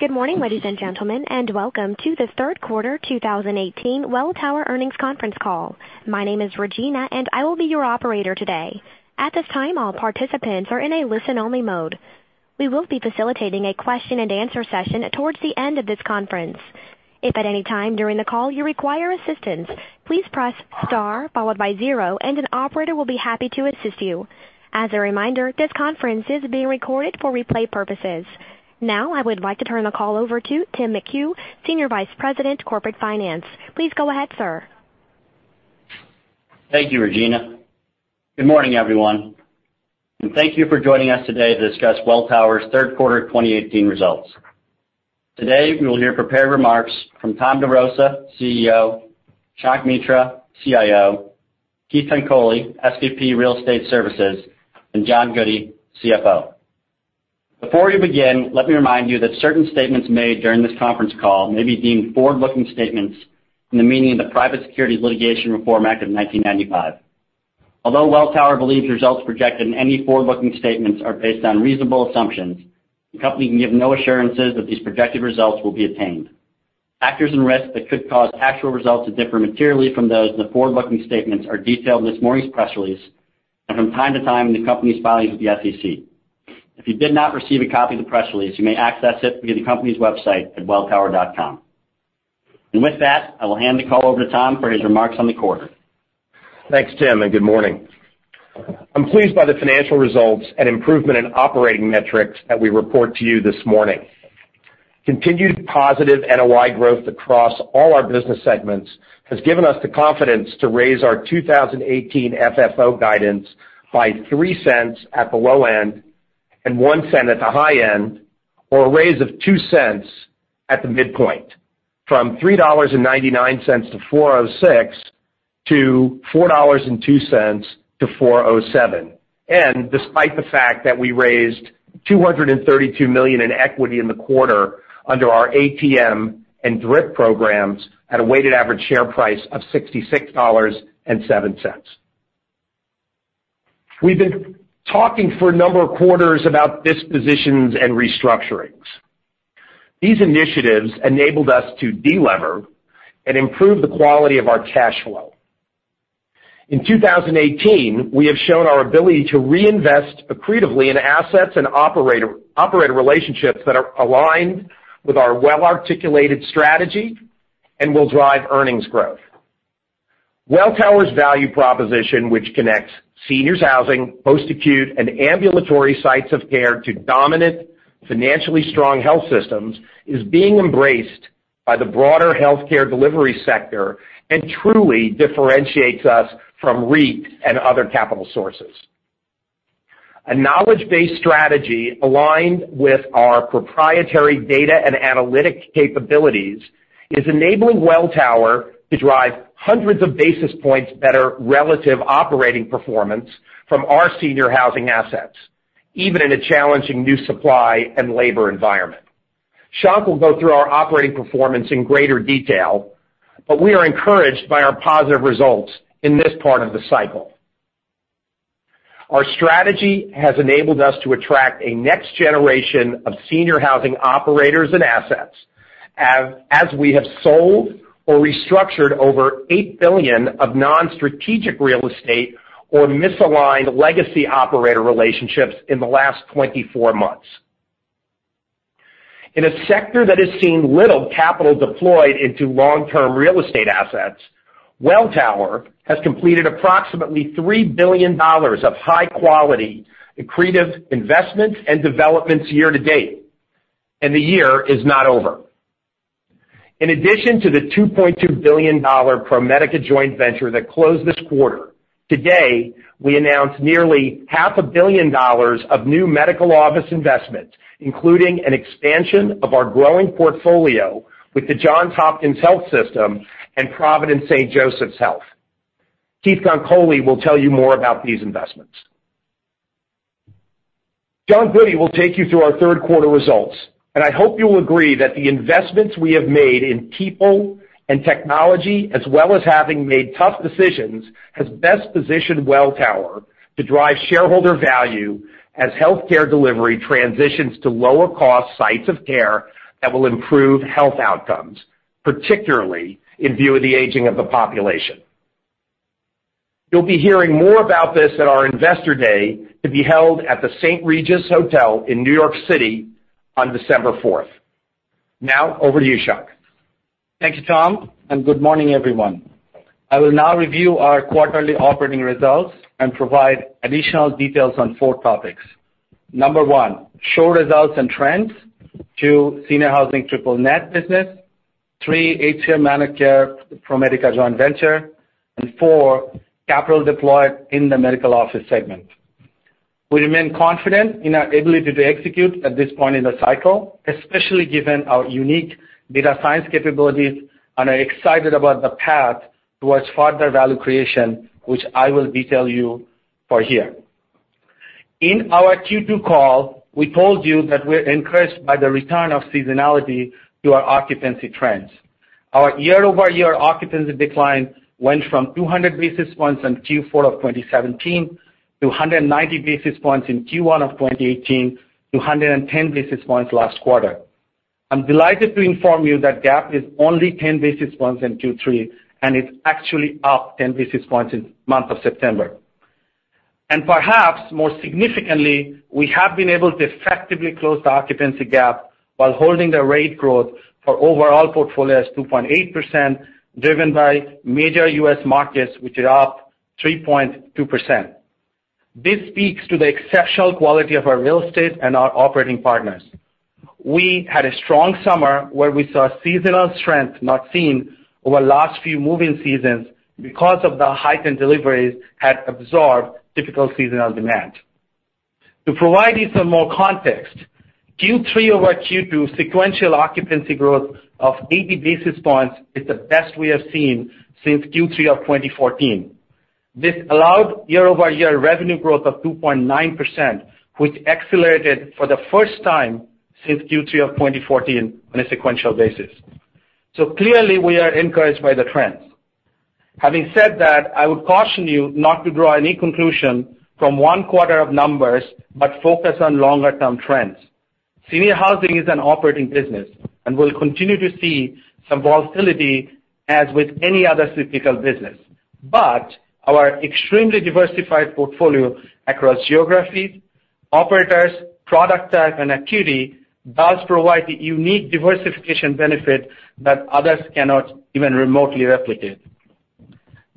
Good morning, ladies and gentlemen, welcome to the third quarter 2018 Welltower earnings conference call. My name is Regina, and I will be your operator today. At this time, all participants are in a listen-only mode. We will be facilitating a question and answer session towards the end of this conference. If at any time during the call you require assistance, please press star followed by zero, and an operator will be happy to assist you. As a reminder, this conference is being recorded for replay purposes. I would like to turn the call over to Tim McHugh, Senior Vice President, Corporate Finance. Please go ahead, sir. Thank you, Regina. Good morning, everyone, and thank you for joining us today to discuss Welltower's third quarter 2018 results. Today, we will hear prepared remarks from Tom DeRosa, CEO, Shankh Mitra, CIO, Keith Konkoli, SVP Real Estate Services, and John Goodey, CFO. Before we begin, let me remind you that certain statements made during this conference call may be deemed forward-looking statements in the meaning of the Private Securities Litigation Reform Act of 1995. Although Welltower believes results projected in any forward-looking statements are based on reasonable assumptions, the company can give no assurances that these projected results will be attained. Factors and risks that could cause actual results to differ materially from those in the forward-looking statements are detailed in this morning's press release, and from time to time in the company's filings with the SEC. If you did not receive a copy of the press release, you may access it via the company's website at welltower.com. With that, I will hand the call over to Tom for his remarks on the quarter. Thanks, Tim, and good morning. I'm pleased by the financial results and improvement in operating metrics that we report to you this morning. Continued positive NOI growth across all our business segments has given us the confidence to raise our 2018 FFO guidance by $0.03 at the low end and $0.01 at the high end, or a raise of $0.02 at the midpoint. From $3.99-$4.06, to $4.02-$4.07. Despite the fact that we raised $232 million in equity in the quarter under our ATM and DRIP programs at a weighted average share price of $66.07. We've been talking for a number of quarters about dispositions and restructurings. These initiatives enabled us to de-lever and improve the quality of our cash flow. In 2018, we have shown our ability to reinvest accretively in assets and operator relationships that are aligned with our well-articulated strategy and will drive earnings growth. Welltower's value proposition, which connects seniors housing, post-acute, and ambulatory sites of care to dominant, financially strong health systems, is being embraced by the broader healthcare delivery sector and truly differentiates us from REIT and other capital sources. A knowledge-based strategy aligned with our proprietary data and analytic capabilities is enabling Welltower to drive hundreds of basis points better relative operating performance from our senior housing assets, even in a challenging new supply and labor environment. Shankh will go through our operating performance in greater detail. We are encouraged by our positive results in this part of the cycle. Our strategy has enabled us to attract a next generation of senior housing operators and assets as we have sold or restructured over $8 billion of non-strategic real estate or misaligned legacy operator relationships in the last 24 months. In a sector that has seen little capital deployed into long-term real estate assets, Welltower has completed approximately $3 billion of high-quality accretive investments and developments year to date. The year is not over. In addition to the $2.2 billion ProMedica joint venture that closed this quarter, today we announced nearly half a billion dollars of new medical office investment, including an expansion of our growing portfolio with The Johns Hopkins Health System and Providence St. Joseph Health. Keith Konkoli will tell you more about these investments. John Goodey will take you through our third quarter results. I hope you will agree that the investments we have made in people and technology, as well as having made tough decisions, has best positioned Welltower to drive shareholder value as healthcare delivery transitions to lower cost sites of care that will improve health outcomes, particularly in view of the aging of the population. You'll be hearing more about this at our Investor Day to be held at the St. Regis Hotel in New York City on December fourth. Over to you, Shankh. Thank you, Tom. Good morning, everyone. I will now review our quarterly operating results and provide additional details on four topics. Number 1, show results and trends. 2, senior housing triple net business. 3, HCR ManorCare ProMedica joint venture. 4, capital deployed in the medical office segment. We remain confident in our ability to execute at this point in the cycle, especially given our unique data science capabilities, and are excited about the path towards further value creation, which I will detail you for here. In our Q2 call, we told you that we're encouraged by the return of seasonality to our occupancy trends. Our year-over-year occupancy decline went from 200 basis points in Q4 of 2017 to 190 basis points in Q1 of 2018 to 110 basis points last quarter. I'm delighted to inform you that gap is only 10 basis points in Q3, and it's actually up 10 basis points in the month of September. Perhaps more significantly, we have been able to effectively close the occupancy gap while holding the rate growth for overall portfolio as 2.8%, driven by major U.S. markets, which is up 3.2%. This speaks to the exceptional quality of our real estate and our operating partners. We had a strong summer where we saw seasonal strength not seen over the last few moving seasons because of the heightened deliveries had absorbed difficult seasonal demand. To provide you some more context, Q3 over Q2 sequential occupancy growth of 80 basis points is the best we have seen since Q3 of 2014. This allowed year-over-year revenue growth of 2.9%, which accelerated for the first time since Q3 of 2014 on a sequential basis. Clearly, we are encouraged by the trends. Having said that, I would caution you not to draw any conclusion from one quarter of numbers, but focus on longer-term trends. Senior housing is an operating business and will continue to see some volatility as with any other cyclical business. Our extremely diversified portfolio across geographies, operators, product type, and acuity does provide a unique diversification benefit that others cannot even remotely replicate.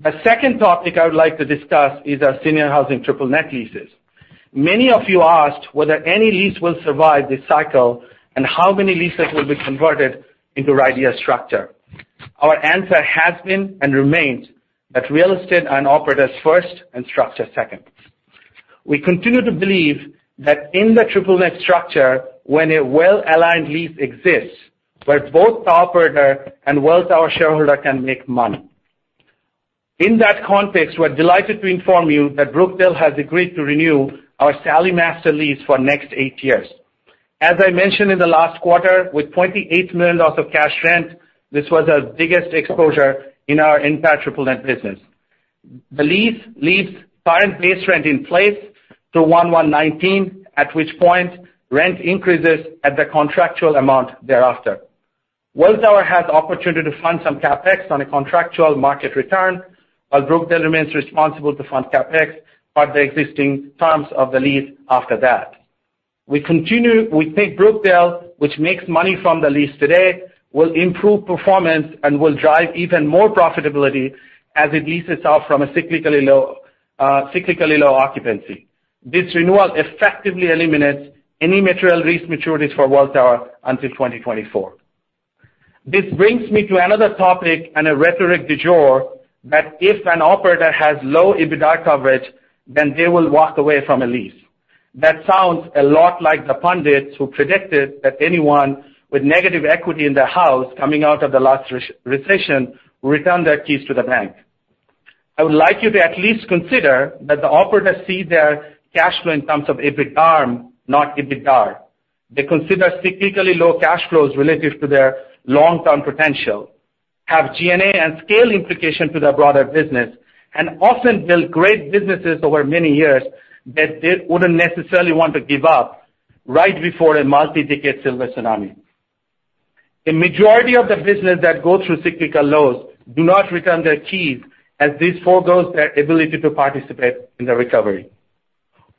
A second topic I would like to discuss is our senior housing triple net leases. Many of you asked whether any lease will survive this cycle and how many leases will be converted into REIT structure. Our answer has been and remains that real estate and operators first and structure second. We continue to believe that in the triple net structure, when a well-aligned lease exists, where both the operator and Welltower shareholder can make money. In that context, we're delighted to inform you that Brookdale has agreed to renew our SALI master lease for the next eight years. As I mentioned in the last quarter, with $28 million of cash rent, this was our biggest exposure in our entire triple net business. The lease leaves current base rent in place through 1/1/2019, at which point rent increases at the contractual amount thereafter. Welltower has the opportunity to fund some CapEx on a contractual market return, while Brookdale remains responsible to fund CapEx per the existing terms of the lease after that. We think Brookdale, which makes money from the lease today, will improve performance and will drive even more profitability as it leases off from a cyclically low occupancy. This renewal effectively eliminates any material lease maturities for Welltower until 2024. This brings me to another topic and a rhetoric du jour, that if an operator has low EBITDA coverage, then they will walk away from a lease. That sounds a lot like the pundits who predicted that anyone with negative equity in their house coming out of the last recession would return their keys to the bank. I would like you to at least consider that the operators see their cash flow in terms of EBITDARM, not EBITDA. They consider cyclically low cash flows relative to their long-term potential, have G&A and scale implication to their broader business, and often build great businesses over many years that they wouldn't necessarily want to give up right before a multi-decade silver tsunami. A majority of the business that go through cyclical lows do not return their keys as this foregoes their ability to participate in the recovery.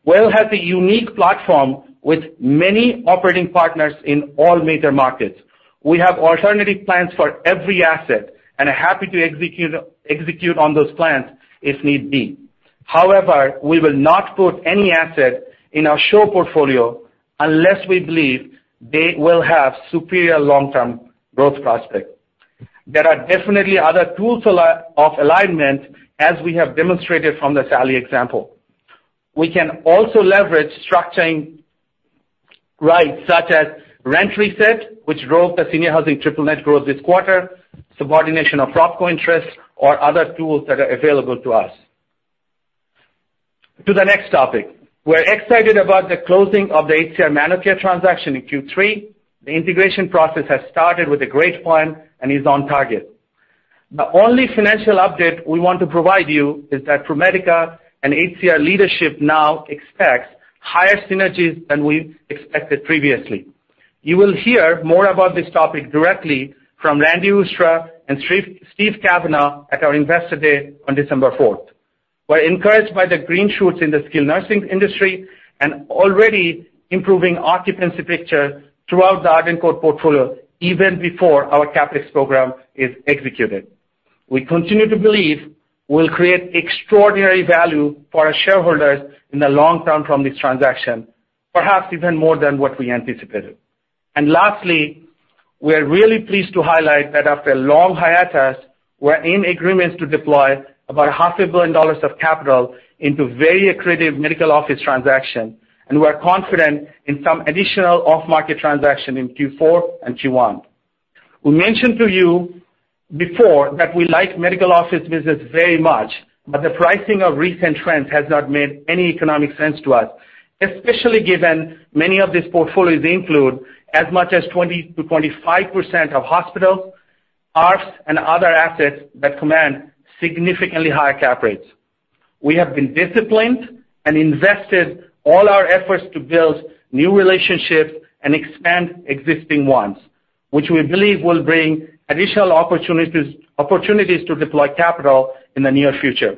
Welltower has a unique platform with many operating partners in all major markets. We have alternative plans for every asset and are happy to execute on those plans if need be. However, we will not put any asset in our SHOP portfolio unless we believe they will have superior long-term growth prospects. There are definitely other tools of alignment, as we have demonstrated from the SALI example. We can also leverage structuring rights such as rent reset, which drove the senior housing triple net growth this quarter, subordination of PropCo interests, or other tools that are available to us. To the next topic. We are excited about the closing of the HCR ManorCare transaction in Q3. The integration process has started with a great plan and is on target. The only financial update we want to provide you is that ProMedica and HCR leadership now expects higher synergies than we expected previously. You will hear more about this topic directly from Randy Oostra and Steve Cavanaugh at our Investor Day on December 4th. We are encouraged by the green shoots in the skilled nursing industry and already improving occupancy picture throughout the Arden Courts portfolio even before our CapEx program is executed. We continue to believe we will create extraordinary value for our shareholders in the long term from this transaction, perhaps even more than what we anticipated. Lastly, we are really pleased to highlight that after a long hiatus, we are in agreements to deploy about half a billion dollars of capital into very accretive medical office transaction, and we are confident in some additional off-market transaction in Q4 and Q1. We mentioned to you before that we like medical office business very much, the pricing of recent trends has not made any economic sense to us. Especially given many of these portfolios include as much as 20%-25% of hospitals, ARFs, and other assets that command significantly higher cap rates. We have been disciplined and invested all our efforts to build new relationships and expand existing ones, which we believe will bring additional opportunities to deploy capital in the near future.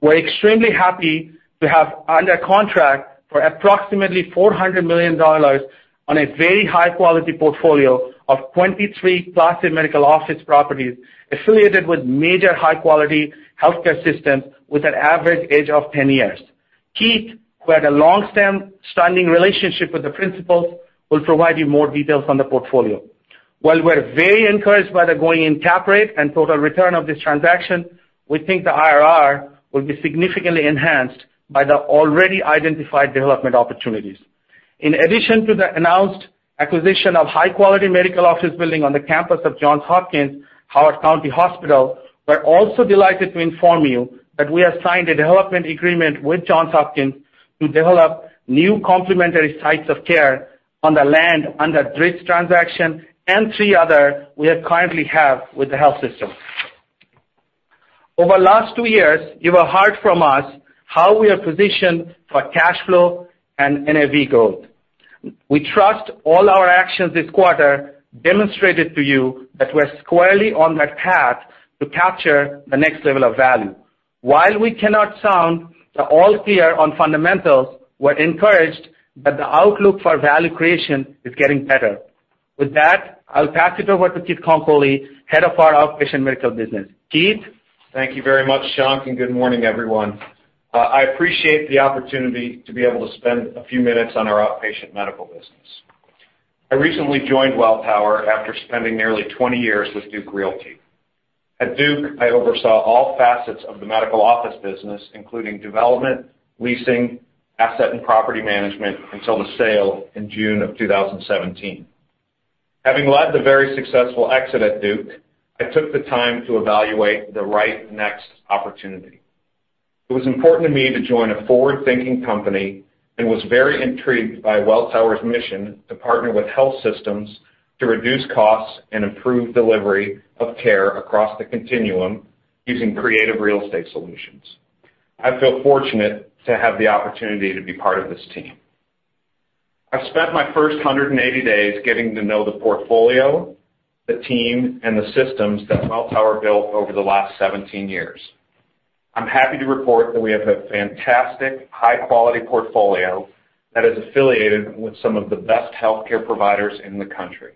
We are extremely happy to have under contract for approximately $400 million on a very high-quality portfolio of 23 class A medical office properties affiliated with major high-quality healthcare systems with an average age of 10 years. Keith, who had a long-standing relationship with the principals, will provide you more details on the portfolio. While we are very encouraged by the going-in cap rate and total return of this transaction, we think the IRR will be significantly enhanced by the already identified development opportunities. In addition to the announced acquisition of high-quality medical office building on the campus of Johns Hopkins Howard County Medical Center, we are also delighted to inform you that we have signed a development agreement with Johns Hopkins to develop new complementary sites of care on the land under this transaction and three others we currently have with the health system. Over the last two years, you have heard from us how we are positioned for cash flow and NAV growth. We trust all our actions this quarter demonstrated to you that we are squarely on that path to capture the next level of value. While we cannot sound the all-clear on fundamentals, we are encouraged that the outlook for value creation is getting better. With that, I'll pass it over to Keith Konkoly, head of our outpatient medical business. Keith? Thank you very much, Shank. Good morning, everyone. I appreciate the opportunity to be able to spend a few minutes on our outpatient medical business. I recently joined Welltower after spending nearly 20 years with Duke Realty. At Duke, I oversaw all facets of the medical office business, including development, leasing, asset and property management until the sale in June of 2017. Having led the very successful exit at Duke, I took the time to evaluate the right next opportunity. It was important to me to join a forward-thinking company and was very intrigued by Welltower's mission to partner with health systems to reduce costs and improve delivery of care across the continuum using creative real estate solutions. I feel fortunate to have the opportunity to be part of this team. I've spent my first 180 days getting to know the portfolio, the team, and the systems that Welltower built over the last 17 years. I'm happy to report that we have a fantastic high-quality portfolio that is affiliated with some of the best healthcare providers in the country.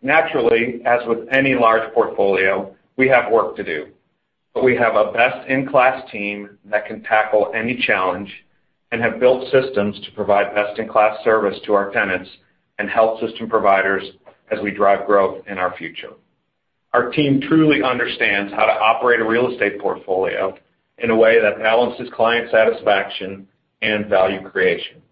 Naturally, as with any large portfolio, we have work to do. We have a best-in-class team that can tackle any challenge and have built systems to provide best-in-class service to our tenants and health system providers as we drive growth in our future. Our team truly understands how to operate a real estate portfolio in a way that balances client satisfaction and value creation.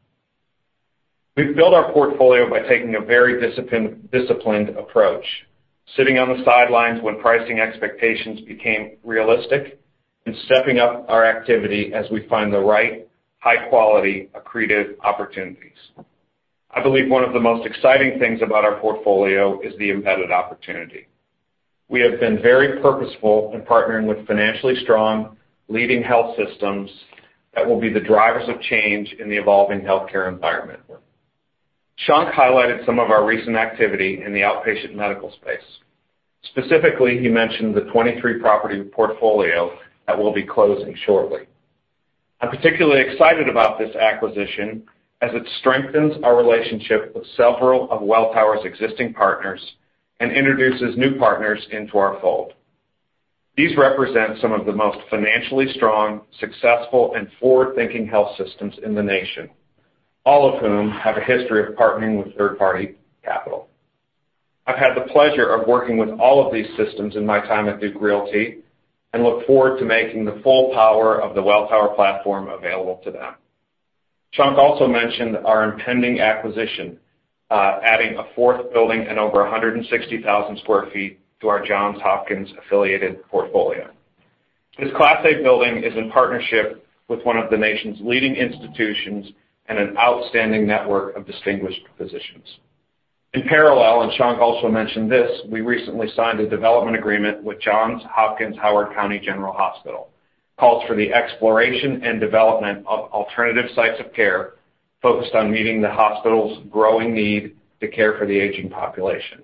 We've built our portfolio by taking a very disciplined approach, sitting on the sidelines when pricing expectations became realistic, and stepping up our activity as we find the right high-quality accretive opportunities. I believe one of the most exciting things about our portfolio is the embedded opportunity. We have been very purposeful in partnering with financially strong, leading health systems that will be the drivers of change in the evolving healthcare environment. Shankh highlighted some of our recent activity in the outpatient medical space. Specifically, he mentioned the 23-property portfolio that we'll be closing shortly. I'm particularly excited about this acquisition as it strengthens our relationship with several of Welltower's existing partners and introduces new partners into our fold. These represent some of the most financially strong, successful, and forward-thinking health systems in the nation, all of whom have a history of partnering with third-party capital. I've had the pleasure of working with all of these systems in my time at Duke Realty and look forward to making the full power of the Welltower platform available to them. Shankh also mentioned our impending acquisition, adding a fourth building and over 160,000 sq ft to our Johns Hopkins-affiliated portfolio. This class A building is in partnership with one of the nation's leading institutions and an outstanding network of distinguished physicians. In parallel, Shankh also mentioned this, we recently signed a development agreement with Johns Hopkins Howard County General Hospital. It calls for the exploration and development of alternative sites of care focused on meeting the hospital's growing need to care for the aging population.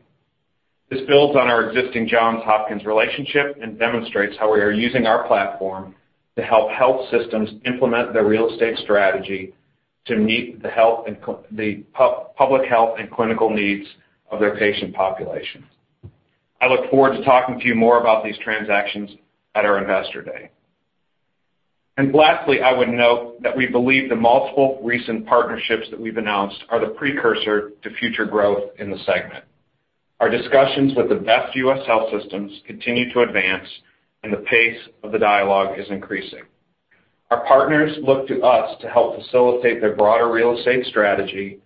This builds on our existing Johns Hopkins relationship and demonstrates how we are using our platform to help health systems implement their real estate strategy to meet the public health and clinical needs of their patient population. I look forward to talking to you more about these transactions at our Investor Day. Lastly, I would note that we believe the multiple recent partnerships that we've announced are the precursor to future growth in the segment. Our discussions with the best U.S. health systems continue to advance. The pace of the dialogue is increasing. Our partners look to us to help facilitate their broader real estate strategy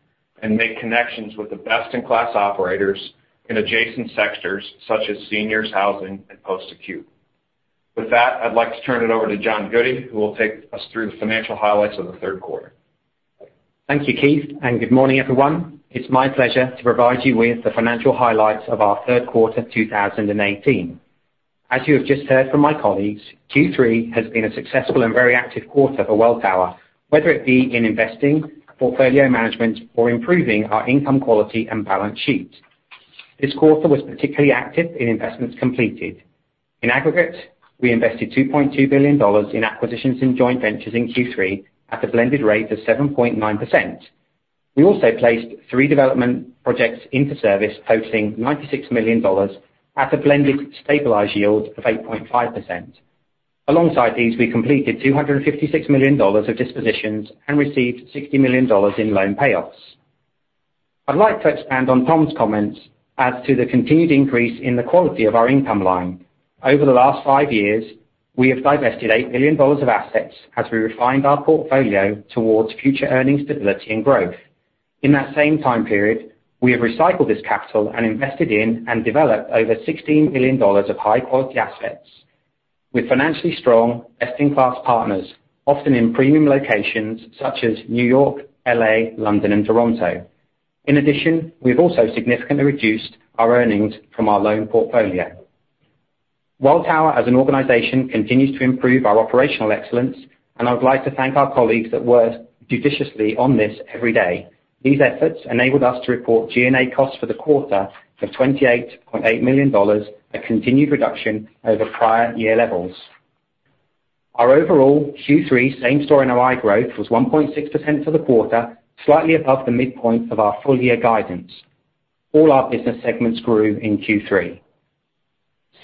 and make connections with the best-in-class operators in adjacent sectors such as seniors housing and post-acute. With that, I'd like to turn it over to John Goodey, who will take us through the financial highlights of the third quarter. Thank you, Keith. Good morning, everyone. It's my pleasure to provide you with the financial highlights of our third quarter 2018. As you have just heard from my colleagues, Q3 has been a successful and very active quarter for Welltower, whether it be in investing, portfolio management, or improving our income quality and balance sheet. This quarter was particularly active in investments completed. In aggregate, we invested $2.2 billion in acquisitions and joint ventures in Q3 at a blended rate of 7.9%. We also placed three development projects into service, totaling $96 million at a blended stabilized yield of 8.5%. Alongside these, we completed $256 million of dispositions and received $60 million in loan payoffs. I'd like to expand on Tom's comments as to the continued increase in the quality of our income line. Over the last five years, we have divested $8 billion of assets as we refined our portfolio towards future earning stability and growth. In that same time period, we have recycled this capital and invested in and developed over $16 billion of high-quality assets with financially strong best-in-class partners, often in premium locations such as New York, L.A., London, and Toronto. In addition, we've also significantly reduced our earnings from our loan portfolio. Welltower, as an organization, continues to improve our operational excellence, and I would like to thank our colleagues that work judiciously on this every day. These efforts enabled us to report G&A costs for the quarter of $28.8 million, a continued reduction over prior year levels. Our overall Q3 same-store NOI growth was 1.6% for the quarter, slightly above the midpoint of our full-year guidance. All our business segments grew in Q3.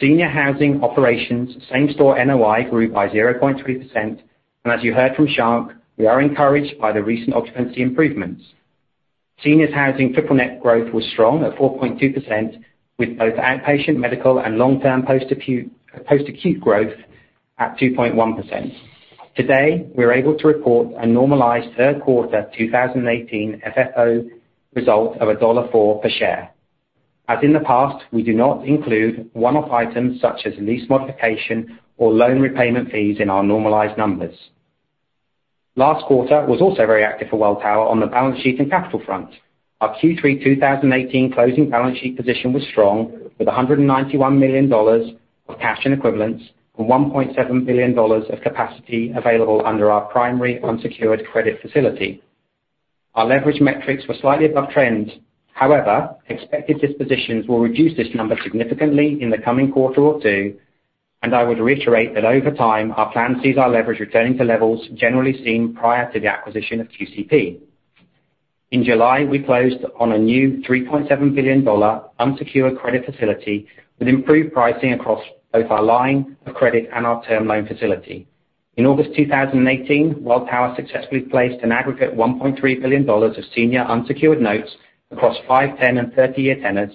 Senior housing operations same-store NOI grew by 0.3%, and as you heard from Shankh, we are encouraged by the recent occupancy improvements. Seniors housing triple net growth was strong at 4.2%, with both outpatient medical and long-term post-acute growth at 2.1%. Today, we are able to report a normalized third quarter 2018 FFO result of $1.04 per share. As in the past, we do not include one-off items such as lease modification or loan repayment fees in our normalized numbers. Last quarter was also very active for Welltower on the balance sheet and capital front. Our Q3 2018 closing balance sheet position was strong with $191 million of cash and equivalents and $1.7 billion of capacity available under our primary unsecured credit facility. Our leverage metrics were slightly above trend. Expected dispositions will reduce this number significantly in the coming quarter or two, and I would reiterate that over time, our plan sees our leverage returning to levels generally seen prior to the acquisition of QCP. In July, we closed on a new $3.7 billion unsecured credit facility with improved pricing across both our line of credit and our term loan facility. In August 2018, Welltower successfully placed an aggregate $1.3 billion of senior unsecured notes across 5, 10, and 30-year tenors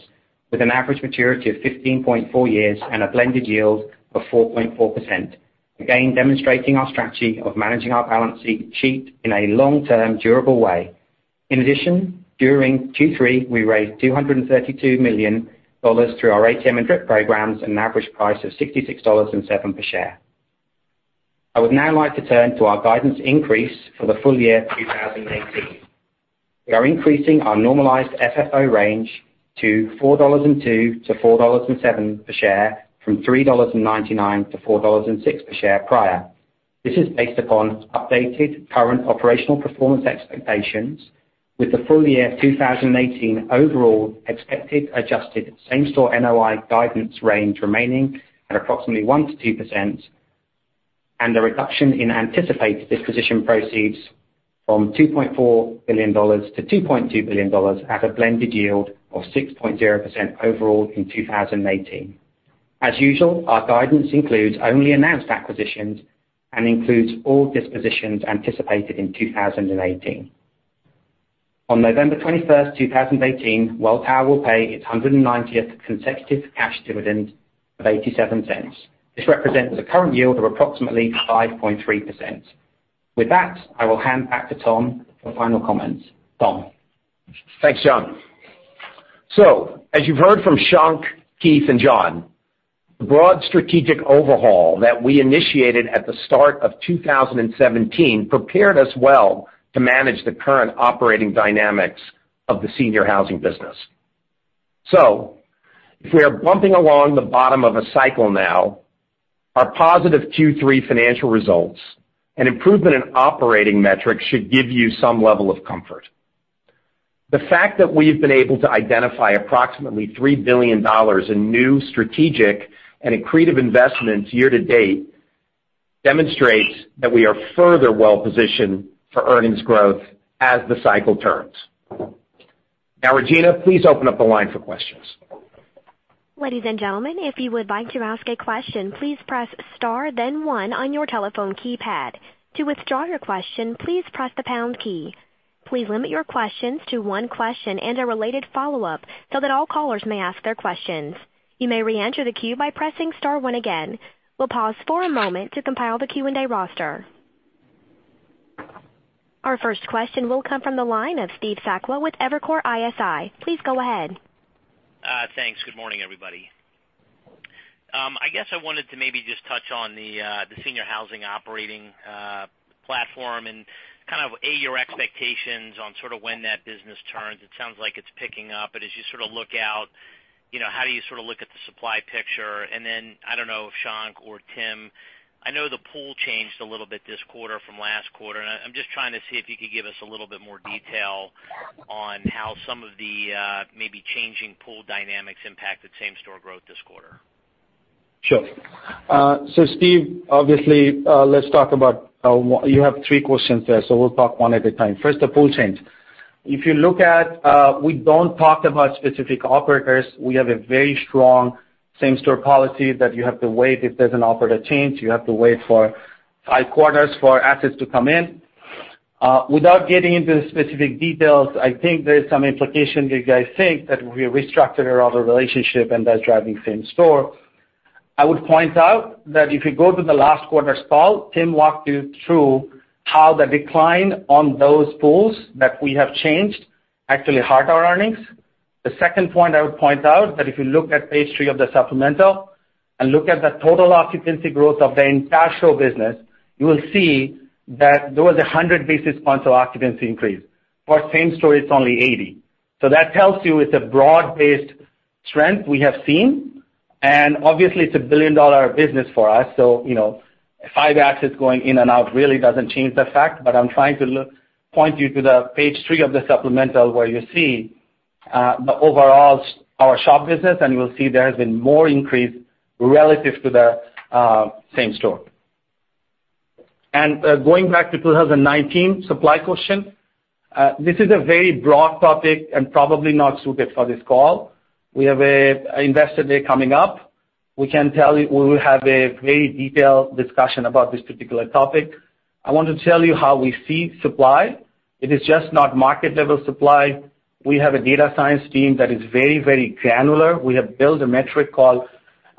with an average maturity of 15.4 years and a blended yield of 4.4%, again demonstrating our strategy of managing our balance sheet in a long-term, durable way. In addition, during Q3, we raised $232 million through our ATM and DRIP programs at an average price of $66.07 per share. I would now like to turn to our guidance increase for the full year 2018. We are increasing our normalized FFO range to $4.02-$4.07 per share from $3.99-$4.06 per share prior. This is based upon updated current operational performance expectations with the full year 2018 overall expected adjusted same-store NOI guidance range remaining at approximately 1%-2% and a reduction in anticipated disposition proceeds from $2.4 billion-$2.2 billion at a blended yield of 6.0% overall in 2018. As usual, our guidance includes only announced acquisitions and includes all dispositions anticipated in 2018. On November 21st, 2018, Welltower will pay its 190th consecutive cash dividend of $0.87. This represents a current yield of approximately 5.3%. With that, I will hand back to Tom for final comments. Tom? Thanks, John. As you've heard from Shankh, Keith, and John, the broad strategic overhaul that we initiated at the start of 2017 prepared us well to manage the current operating dynamics of the senior housing business. If we are bumping along the bottom of a cycle now, our positive Q3 financial results and improvement in operating metrics should give you some level of comfort. The fact that we've been able to identify approximately $3 billion in new strategic and accretive investments year to date demonstrates that we are further well positioned for earnings growth as the cycle turns. Regina, please open up the line for questions. Ladies and gentlemen, if you would like to ask a question, please press star then one on your telephone keypad. To withdraw your question, please press the pound key. Please limit your questions to one question and a related follow-up so that all callers may ask their questions. You may reenter the queue by pressing star one again. We'll pause for a moment to compile the Q&A roster. Our first question will come from the line of Steve Sakwa with Evercore ISI. Please go ahead. Thanks. Good morning, everybody. I guess I wanted to maybe just touch on the senior housing operating platform and kind of, A, your expectations on sort of when that business turns. It sounds like it's picking up. As you sort of look out, how do you sort of look at the supply picture? I don't know if Shankh or Tim, I know the pool changed a little bit this quarter from last quarter, and I'm just trying to see if you could give us a little bit more detail on how some of the maybe changing pool dynamics impacted same-store growth this quarter. Sure. Steve, obviously, you have three questions there, we'll talk one at a time. First, the pool change. We don't talk about specific operators. We have a very strong same store policy that you have to wait if there's an operator change. You have to wait for five quarters for assets to come in. Without getting into the specific details, I think there's some implication you guys think that we restructured our other relationship and that's driving same store. I would point out that if you go to the last quarter's call, Tim walked you through how the decline on those pools that we have changed actually hurt our earnings. The second point I would point out that if you look at page three of the supplemental and look at the total occupancy growth of the entire SHOP business, you will see that there was 100 basis points of occupancy increase. For same store, it's only 80. That tells you it's a broad-based trend we have seen, and obviously it's a billion-dollar business for us, five assets going in and out really doesn't change the fact. I'm trying to point you to the page three of the supplemental where you see the overall our SHOP business, and you'll see there has been more increase relative to the same store. Going back to 2019 supply question. This is a very broad topic and probably not suited for this call. We have an Investor Day coming up. We can tell you we will have a very detailed discussion about this particular topic. I want to tell you how we see supply. It is just not market-level supply. We have a data science team that is very, very granular. We have built a metric called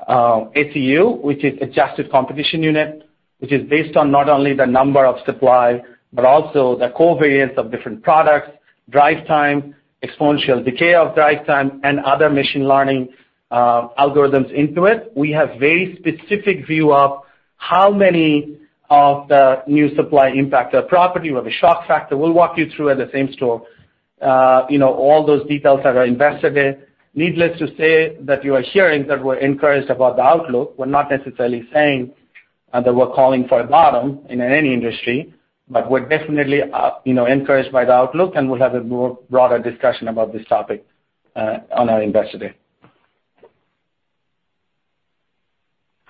ACU, which is adjusted competition unit, which is based on not only the number of supply, but also the covariance of different products, drive time, exponential decay of drive time, and other machine learning algorithms into it. We have very specific view of how many of the new supply impact our property. We have a shock factor. We'll walk you through at the same store. All those details are Investor Day. Needless to say that you are hearing that we're encouraged about the outlook. We're not necessarily saying that we're calling for a bottom in any industry, but we're definitely encouraged by the outlook, and we'll have a more broader discussion about this topic on our Investor Day.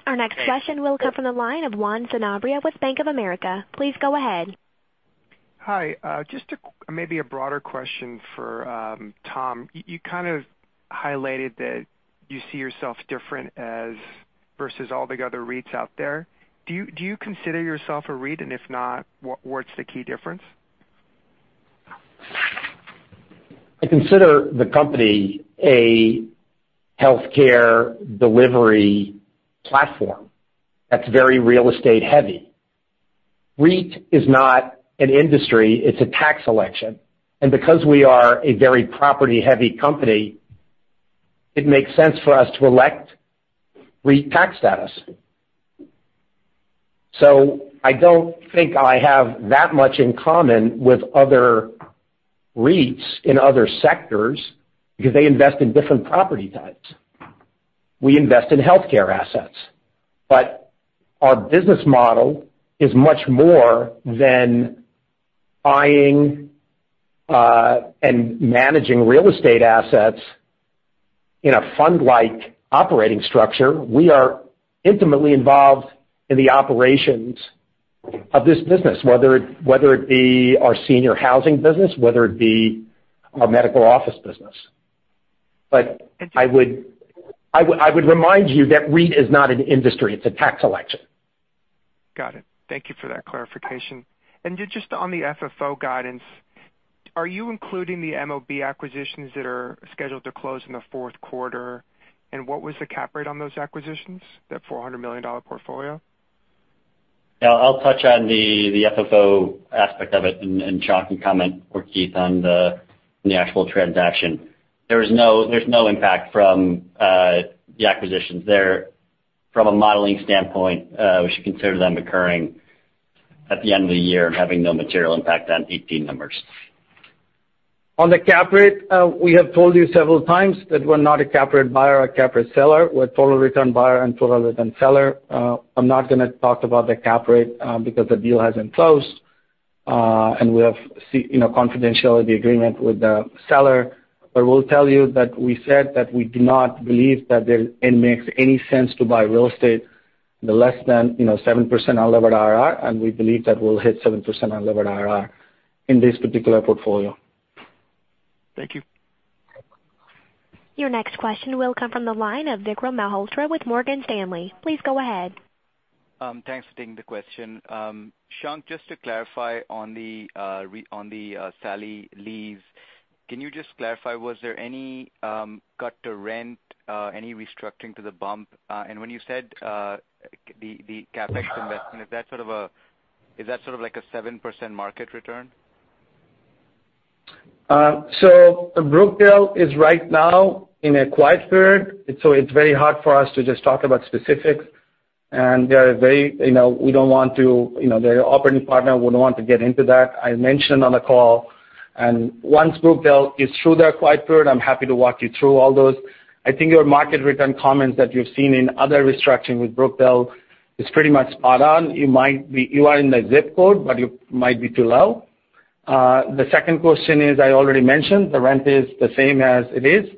Our next question will come from the line of Juan Sanabria with Bank of America. Please go ahead. Hi. Just maybe a broader question for Tom. You kind of highlighted that you see yourself different as versus all the other REITs out there. Do you consider yourself a REIT? If not, what's the key difference? I consider the company a healthcare delivery platform that's very real estate heavy. REIT is not an industry, it's a tax election. Because we are a very property-heavy company, it makes sense for us to elect REIT tax status. I don't think I have that much in common with other REITs in other sectors because they invest in different property types. We invest in healthcare assets. Our business model is much more than buying and managing real estate assets in a fund-like operating structure. We are intimately involved in the operations of this business, whether it be our senior housing business, whether it be our medical office business. I would remind you that REIT is not an industry, it's a tax election. Got it. Thank you for that clarification. Just on the FFO guidance, are you including the MOB acquisitions that are scheduled to close in the fourth quarter? What was the cap rate on those acquisitions, that $400 million portfolio? Yeah, I'll touch on the FFO aspect of it and Shankh can comment for Keith on the actual transaction. There's no impact from the acquisitions there. From a modeling standpoint, we should consider them occurring at the end of the year and having no material impact on 2018 numbers. On the cap rate, we have told you several times that we're not a cap rate buyer or cap rate seller. We're a total return buyer and total return seller. I'm not going to talk about the cap rate because the deal hasn't closed. We have confidentiality agreement with the seller. We'll tell you that we said that we do not believe that it makes any sense to buy real estate in the less than 7% unlevered IRR, and we believe that we'll hit 7% unlevered IRR in this particular portfolio. Thank you. Your next question will come from the line of Vikram Malhotra with Morgan Stanley. Please go ahead. Thanks for taking the question. Shankh, just to clarify on the SALI leases. Can you just clarify, was there any cut to rent, any restructuring to the bump? When you said the CapEx investment, is that sort of like a 7% market return? Brookdale is right now in a quiet period, so it's very hard for us to just talk about specifics. Their operating partner wouldn't want to get into that. I mentioned on the call, and once Brookdale is through their quiet period, I'm happy to walk you through all those. I think your market return comments that you've seen in other restructuring with Brookdale is pretty much spot on. You are in the zip code, but you might be too low. The second question is, I already mentioned the rent is the same as it is.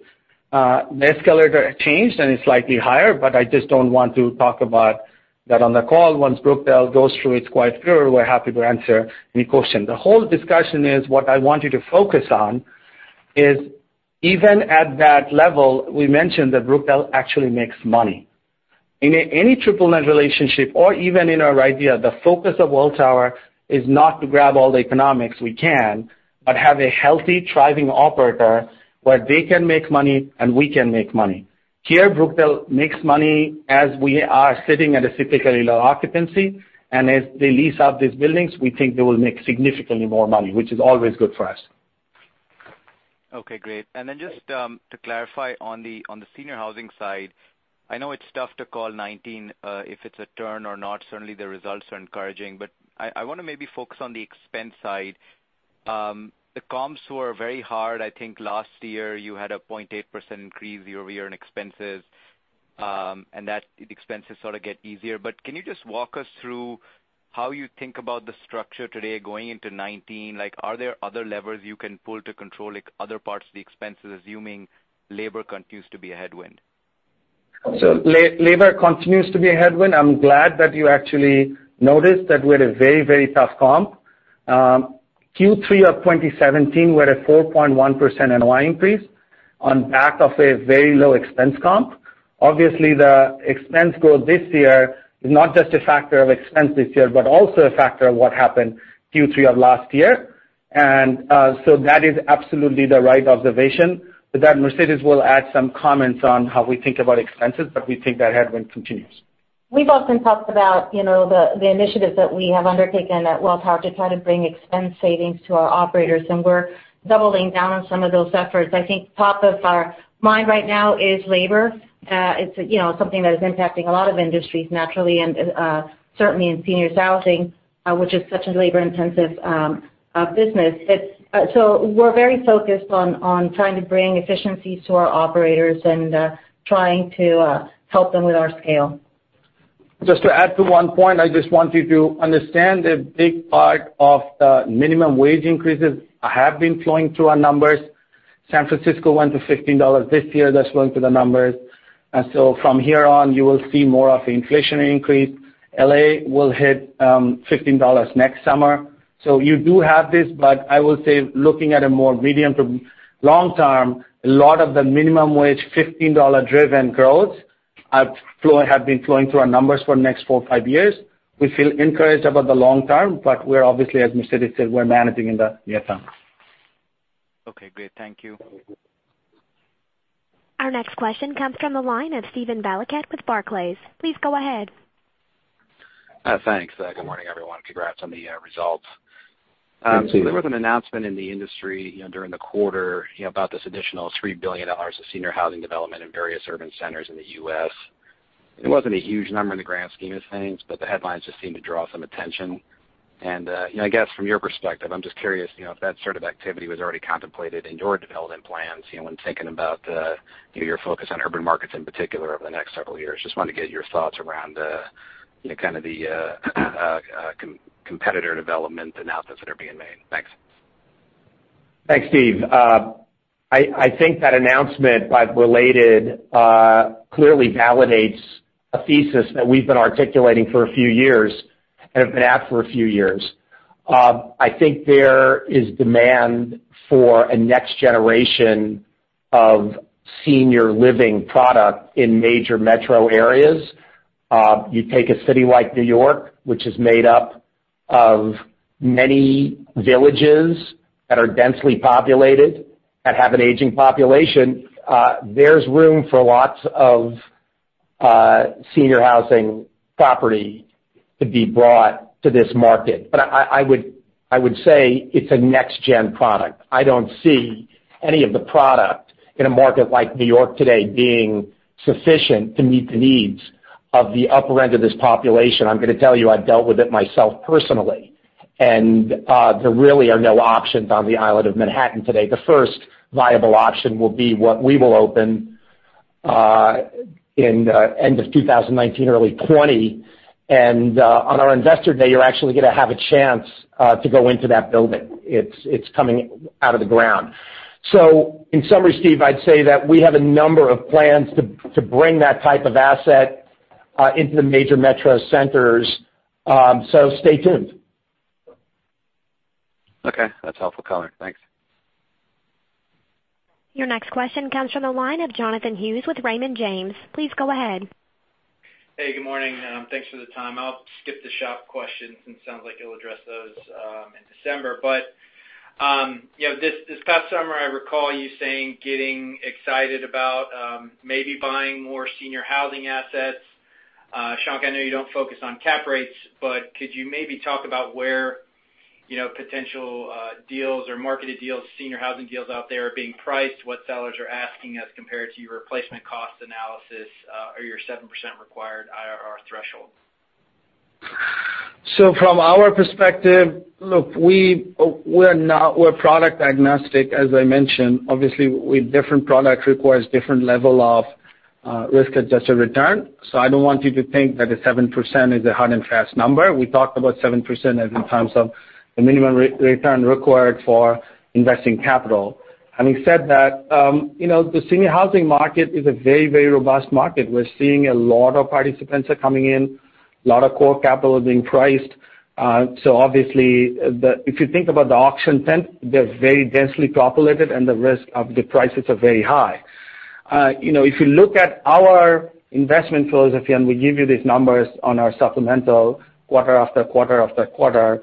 The escalator changed, and it's slightly higher, but I just don't want to talk about that on the call. Once Brookdale goes through its quiet period, we're happy to answer any question. The whole discussion is, what I want you to focus on is even at that level, we mentioned that Brookdale actually makes money. In any triple net relationship or even in our RIDEA, the focus of Welltower is not to grab all the economics we can, but have a healthy, thriving operator where they can make money and we can make money. Here, Brookdale makes money as we are sitting at a typically low occupancy. As they lease up these buildings, we think they will make significantly more money, which is always good for us. Okay, great. Then just to clarify on the senior housing side, I know it's tough to call 2019 if it's a turn or not. Certainly, the results are encouraging, but I want to maybe focus on the expense side. The comps were very hard. I think last year, you had a 0.8% increase year-over-year in expenses, that expenses sort of get easier. Can you just walk us through how you think about the structure today going into 2019? Are there other levers you can pull to control other parts of the expenses, assuming labor continues to be a headwind? Labor continues to be a headwind. I'm glad that you actually noticed that we had a very tough comp. Q3 of 2017, we had a 4.1% NOI increase on back of a very low expense comp. Obviously, the expense growth this year is not just a factor of expense this year, but also a factor of what happened Q3 of last year. That is absolutely the right observation. With that, Mercedes will add some comments on how we think about expenses, but we think that headwind continues. We've often talked about the initiatives that we have undertaken at Welltower to try to bring expense savings to our operators, and we're doubling down on some of those efforts. I think top of our mind right now is labor. It's something that is impacting a lot of industries naturally, and certainly in senior housing, which is such a labor-intensive business. We're very focused on trying to bring efficiencies to our operators and trying to help them with our scale. Just to add to one point, I just want you to understand a big part of the minimum wage increases have been flowing through our numbers. San Francisco went to $15 this year. That's flowing through the numbers. From here on, you will see more of the inflationary increase. L.A. will hit $15 next summer. You do have this, but I will say, looking at a more medium to long term, a lot of the minimum wage, $15-driven growth have been flowing through our numbers for the next four or five years. We feel encouraged about the long term, but we're obviously, as Mercedes said, we're managing in the near term. Okay, great. Thank you. Our next question comes from the line of Steven Valiquette with Barclays. Please go ahead. Thanks. Good morning, everyone. Congrats on the results. Good Steve. There was an announcement in the industry during the quarter about this additional $3 billion of senior housing development in various urban centers in the U.S. It wasn't a huge number in the grand scheme of things, but the headlines just seemed to draw some attention. I guess from your perspective, I'm just curious if that sort of activity was already contemplated in your development plans when thinking about your focus on urban markets in particular over the next several years. Just wanted to get your thoughts around the kind of the competitor development announcements that are being made. Thanks. Thanks, Steve. I think that announcement, related clearly validates a thesis that we've been articulating for a few years and have been at for a few years. I think there is demand for a next generation of senior living product in major metro areas. You take a city like New York, which is made up of many villages that are densely populated and have an aging population, there's room for lots of senior housing property to be brought to this market. I would say it's a next-gen product. I don't see any of the product in a market like New York today being sufficient to meet the needs of the upper end of this population. I'm going to tell you, I've dealt with it myself personally, and there really are no options on the island of Manhattan today. The first viable option will be what we will open in end of 2019, early 2020. On our investor day, you're actually going to have a chance to go into that building. It's coming out of the ground. In summary, Steve, I'd say that we have a number of plans to bring that type of asset into the major metro centers. Stay tuned. Okay. That's helpful color. Thanks. Your next question comes from the line of Jonathan Hughes with Raymond James. Please go ahead. Hey, good morning. Thanks for the time. I'll skip the SHOP questions since it sounds like you'll address those in December. This past summer, I recall you saying getting excited about maybe buying more senior housing assets. Shankh, I know you don't focus on cap rates, but could you maybe talk about where potential deals or marketed senior housing deals out there are being priced, what sellers are asking as compared to your replacement cost analysis, or your 7% required IRR threshold? From our perspective, look, we're product agnostic, as I mentioned. Obviously, different product requires different level of risk-adjusted return. I don't want you to think that the 7% is a hard and fast number. We talked about 7% in terms of the minimum return required for investing capital. Having said that, the senior housing market is a very, very robust market. We're seeing a lot of participants are coming in, a lot of core capital is being priced. Obviously, if you think about the auction tent, they're very densely populated and the prices are very high. If you look at our investment philosophy, and we give you these numbers on our supplemental quarter after quarter after quarter,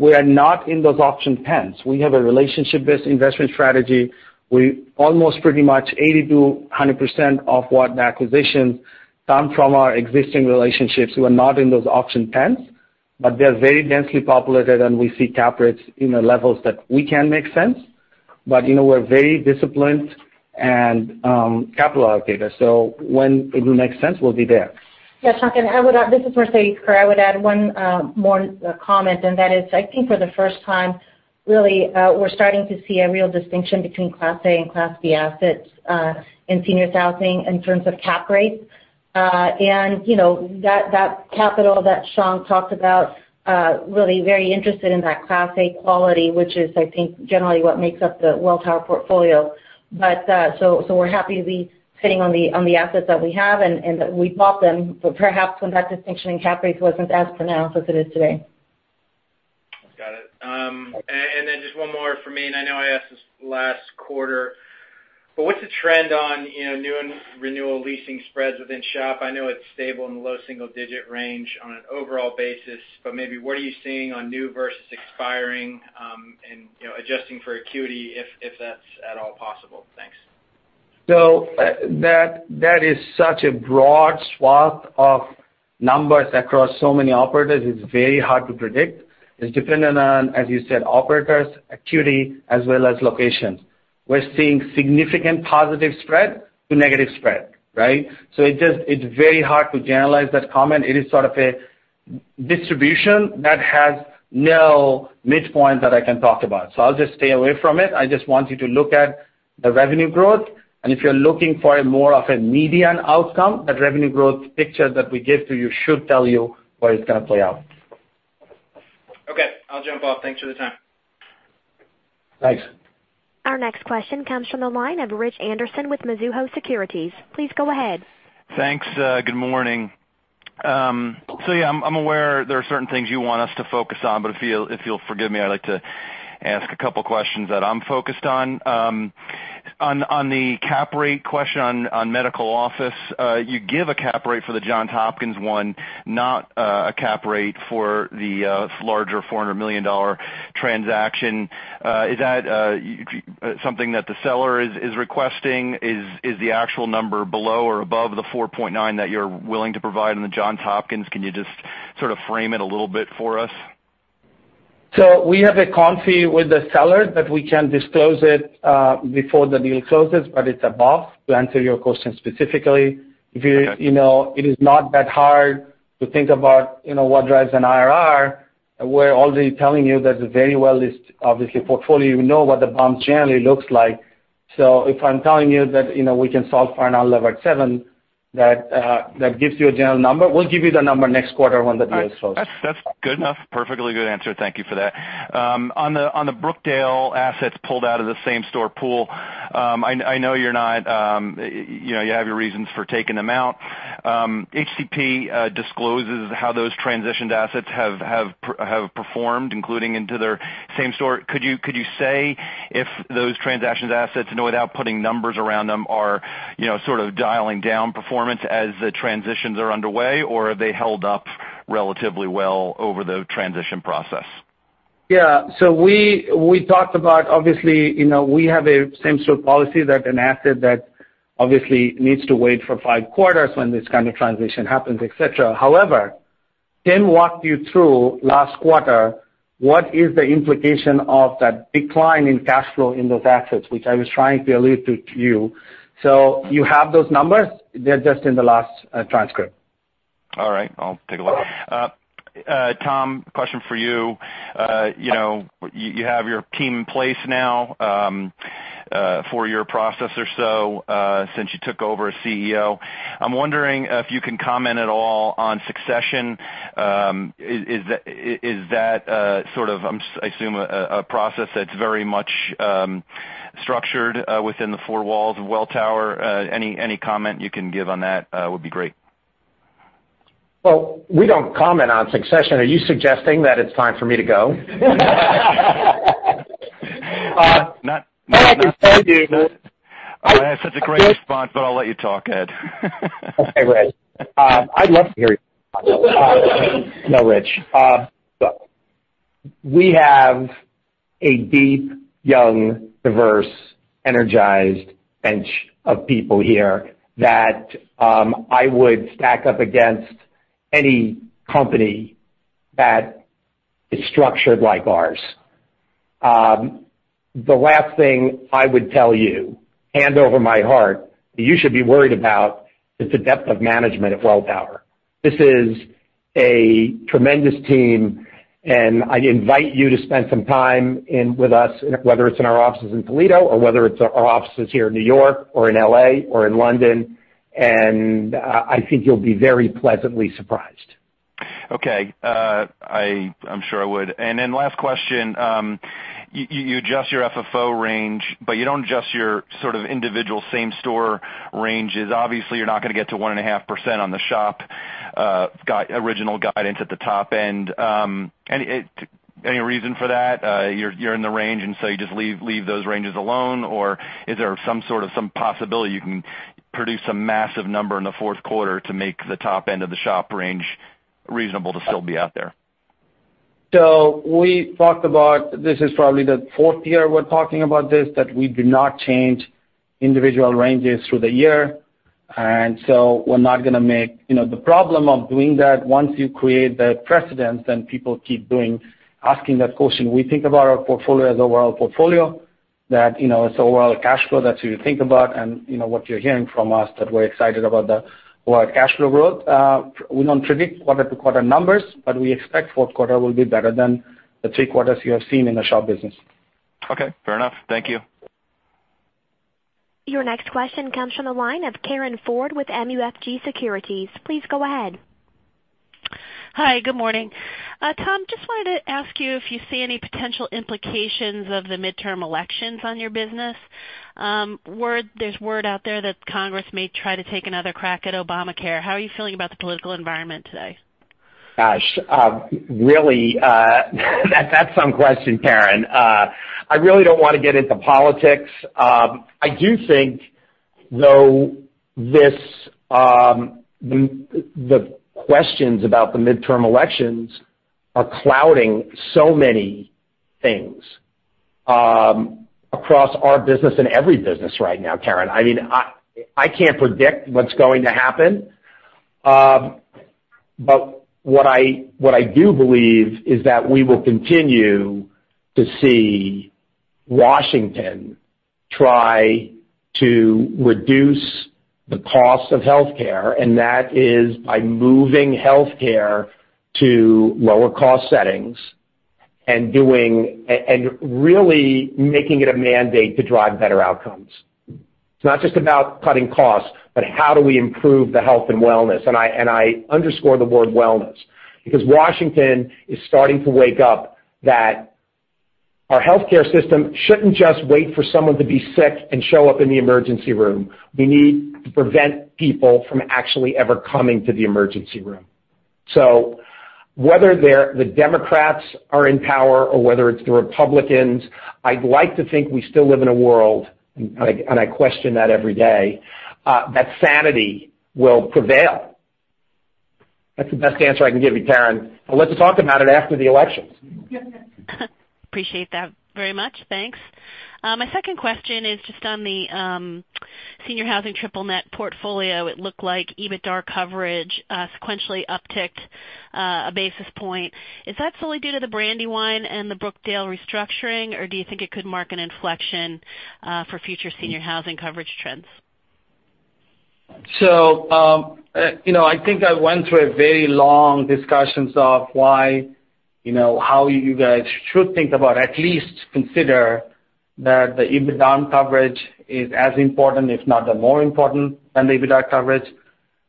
we are not in those auction tents. We have a relationship-based investment strategy. We almost pretty much 80%-100% of what an acquisition comes from our existing relationships who are not in those auction tents, but they're very densely populated, and we see cap rates in the levels that we can make sense. We're very disciplined and capital allocators. When it will make sense, we'll be there. Yeah, Shankh, this is Mercedes. I would add one more comment, and that is, I think for the first time, really, we're starting to see a real distinction between Class A and Class B assets in senior housing in terms of cap rates. That capital that Shankh talked about, really very interested in that Class A quality, which is, I think, generally what makes up the Welltower portfolio. We're happy to be sitting on the assets that we have and that we bought them, but perhaps when that distinction in cap rates wasn't as pronounced as it is today. Got it. Just one more from me, I know I asked this last quarter, but what's the trend on new and renewal leasing spreads within SHOP? I know it's stable in the low single-digit range on an overall basis, but maybe what are you seeing on new versus expiring and adjusting for acuity, if that's at all possible? Thanks. That is such a broad swath of numbers across so many operators. It's very hard to predict. It's dependent on, as you said, operators, acuity, as well as locations. We're seeing significant positive spread to negative spread, right? It's very hard to generalize that comment. It is sort of a distribution that has no midpoint that I can talk about. I'll just stay away from it. I just want you to look at the revenue growth, if you're looking for a more of a median outcome, that revenue growth picture that we give to you should tell you what it's going to play out. Okay, I'll jump off. Thanks for the time. Thanks. Our next question comes from the line of Rich Anderson with Mizuho Securities. Please go ahead. Thanks. Good morning. Yeah, I'm aware there are certain things you want us to focus on, but if you'll forgive me, I'd like to ask a couple questions that I'm focused on. On the cap rate question on medical office, you give a cap rate for the Johns Hopkins one, not a cap rate for the larger $400 million transaction. Is that something that the seller is requesting? Is the actual number below or above the 4.9 that you're willing to provide on the Johns Hopkins? Can you just sort of frame it a little bit for us? We have a confidentiality with the seller that we can disclose it before the deal closes, but it's above, to answer your question specifically. Okay. It is not that hard to think about what drives an IRR. We're already telling you that the very well listed, obviously, portfolio, you know what the bump generally looks like. If I'm telling you that we can solve for an unlevered seven, that gives you a general number. We'll give you the number next quarter when the deal is closed. That's good enough. Perfectly good answer. Thank you for that. On the Brookdale assets pulled out of the same-store pool, I know you have your reasons for taking them out. HCP discloses how those transitioned assets have performed, including into their same-store. Could you say if those transitioned assets, without putting numbers around them, are sort of dialing down performance as the transitions are underway, or have they held up relatively well over the transition process? We talked about, obviously, we have a same-store policy that an asset that obviously needs to wait for five quarters when this kind of transition happens, et cetera. However, Tim walked you through last quarter, what is the implication of that decline in cash flow in those assets, which I was trying to allude to you. You have those numbers. They're just in the last transcript. All right. I'll take a look. Tom, question for you. You have your team in place now for your process or so since you took over as CEO. I'm wondering if you can comment at all on succession. Is that sort of, I assume, a process that's very much structured within the four walls of Welltower? Any comment you can give on that would be great. Well, we don't comment on succession. Are you suggesting that it's time for me to go? Not- What can I tell you? I have such a great response, but I'll let you talk, Rich. Okay, Rich. I'd love to hear your response. No, Rich. Look, we have a deep, young, diverse, energized bench of people here that I would stack up against any company that is structured like ours. The last thing I would tell you, hand over my heart, you should be worried about is the depth of management at Welltower. This is a tremendous team. I invite you to spend some time in with us, whether it's in our offices in Toledo or whether it's our offices here in New York or in L.A. or in London. I think you'll be very pleasantly surprised. Okay. I'm sure I would. Then last question, you adjust your FFO range, but you don't adjust your sort of individual same-store ranges. Obviously, you're not gonna get to 1.5% on the SHOP original guidance at the top end. Any reason for that? You're in the range. You just leave those ranges alone, or is there some sort of possibility you can produce some massive number in the fourth quarter to make the top end of the SHOP range reasonable to still be out there? We talked about, this is probably the fourth year we're talking about this, that we do not change individual ranges through the year. We're not gonna make. The problem of doing that, once you create that precedent, then people keep asking that question. We think about our portfolio as a world portfolio that, it's a world cash flow that you think about. What you're hearing from us, that we're excited about the world cash flow growth. We don't predict quarter-to-quarter numbers, but we expect fourth quarter will be better than the three quarters you have seen in the SHOP business. Okay, fair enough. Thank you. Your next question comes from the line of Karin Ford with MUFG Securities. Please go ahead. Hi. Good morning. Tom, just wanted to ask you if you see any potential implications of the midterm elections on your business. There's word out there that Congress may try to take another crack at Obamacare. How are you feeling about the political environment today? Gosh. Really, that's some question, Karin. I really don't want to get into politics. I do think, though, the questions about the midterm elections are clouding so many things across our business and every business right now, KarinKarin. I can't predict what's going to happen. What I do believe is that we will continue to see Washington try to reduce the cost of healthcare, that is by moving healthcare to lower cost settings and really making it a mandate to drive better outcomes. It's not just about cutting costs, but how do we improve the health and wellness. I underscore the word wellness, because Washington is starting to wake up that our healthcare system shouldn't just wait for someone to be sick and show up in the emergency room. We need to prevent people from actually ever coming to the emergency room. Whether the Democrats are in power or whether it's the Republicans, I'd like to think we still live in a world, and I question that every day, that sanity will prevail. That's the best answer I can give you, Karin. Let's talk about it after the elections. Appreciate that very much. Thanks. My second question is just on the senior housing triple-net portfolio. It looked like EBITDAR coverage sequentially upticked one basis point. Is that solely due to the Brandywine and the Brookdale restructuring, or do you think it could mark an inflection for future senior housing coverage trends? I think I went through a very long discussions of why, how you guys should think about, at least consider that the EBITDA coverage is as important, if not the more important than the EBITDAR coverage.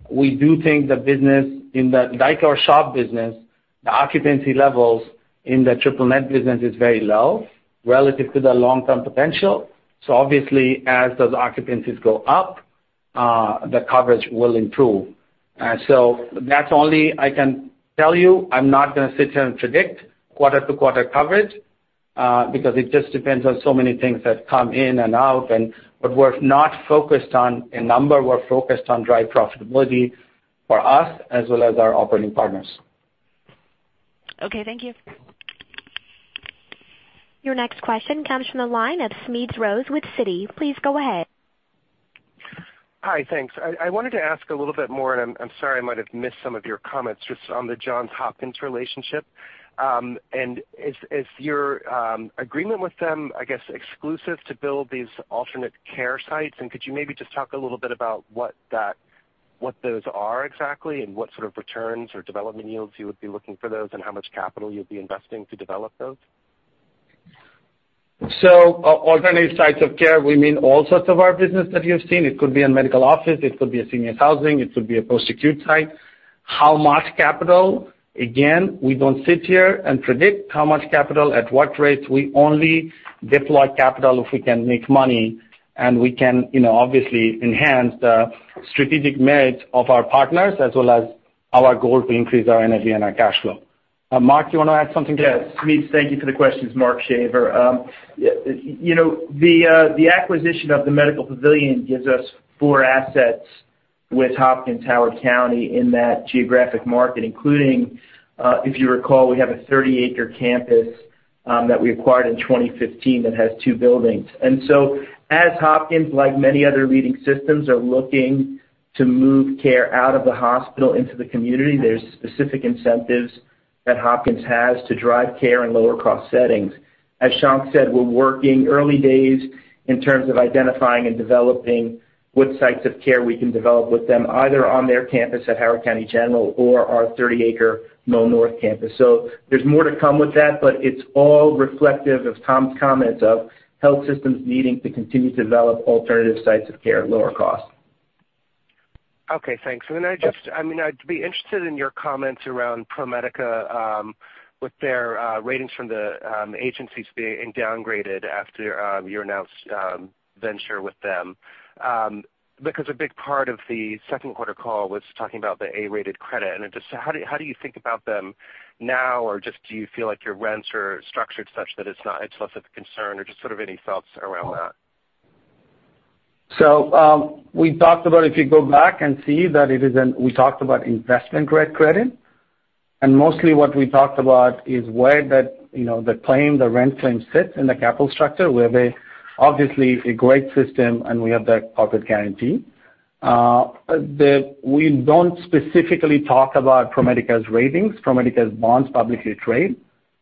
We do think the business in the RIDEA SHOP business, the occupancy levels in the triple-net business is very low relative to the long-term potential. Obviously, as those occupancies go up, the coverage will improve. That's only I can tell you. I'm not gonna sit here and predict quarter-to-quarter coverage, because it just depends on so many things that come in and out, but we're not focused on a number. We're focused on drive profitability for us as well as our operating partners. Okay, thank you. Your next question comes from the line of Smedes Rose with Citi. Please go ahead. Hi, thanks. I'm sorry, I might have missed some of your comments just on the Johns Hopkins relationship. Is your agreement with them, I guess, exclusive to build these alternate care sites? Could you maybe just talk a little bit about what those are exactly and what sort of returns or development yields you would be looking for those, and how much capital you'd be investing to develop those? Alternative sites of care, we mean all sorts of our business that you've seen. It could be a medical office, it could be a senior housing, it could be a post-acute site. How much capital? Again, we don't sit here and predict how much capital at what rates. We only deploy capital if we can make money, and we can obviously enhance the strategic merit of our partners as well as our goal to increase our energy and our cash flow. Mark, do you want to add something to that? Yes. Smedes, thank you for the questions. Mark Shaver. The acquisition of the Medical Pavilion gives us four assets with Hopkins Howard County in that geographic market, including, if you recall, we have a 30-acre campus that we acquired in 2015 that has two buildings. As Hopkins, like many other leading systems, are looking to move care out of the hospital into the community, there's specific incentives that Hopkins has to drive care in lower cost settings. As Shankh said, we're working early days in terms of identifying and developing what sites of care we can develop with them, either on their campus at Howard County General or our 30-acre Knoll North campus. There's more to come with that, but it's all reflective of Tom's comments of health systems needing to continue to develop alternative sites of care at lower cost. Okay, thanks. I'd be interested in your comments around ProMedica, with their ratings from the agencies being downgraded after you announced venture with them. A big part of the second quarter call was talking about the A-rated credit, how do you think about them now? Do you feel like your rents are structured such that it's not as much of a concern, or just sort of any thoughts around that? We talked about if you go back and see that we talked about investment-grade credit, mostly what we talked about is where the rent claim sits in the capital structure, where they obviously, it's a great system, we have that corporate guarantee. We don't specifically talk about ProMedica's ratings. ProMedica's bonds publicly trade.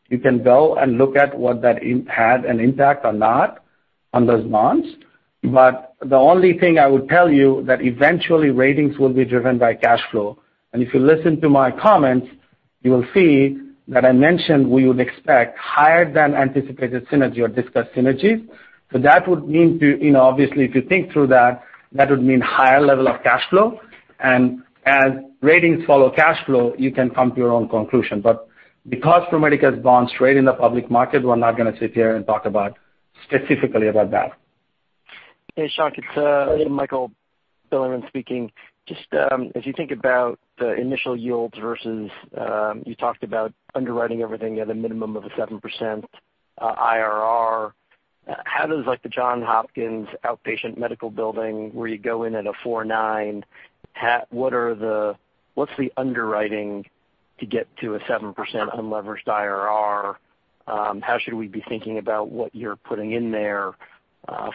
You can go and look at what that had an impact or not on those bonds. The only thing I would tell you that eventually ratings will be driven by cash flow. If you listen to my comments, you will see that I mentioned we would expect higher than anticipated synergy or discussed synergies. That would mean, obviously, if you think through that would mean higher level of cash flow. As ratings follow cash flow, you can come to your own conclusion. Because ProMedica's bonds trade in the public market, we're not going to sit here and talk specifically about that. Hey, Shankh, it's Michael Bilerman speaking. As you think about the initial yields versus, you talked about underwriting everything at a minimum of a 7% IRR, how does like the Johns Hopkins outpatient medical building, where you go in at a 4.9, what's the underwriting to get to a 7% unlevered IRR? How should we be thinking about what you're putting in there for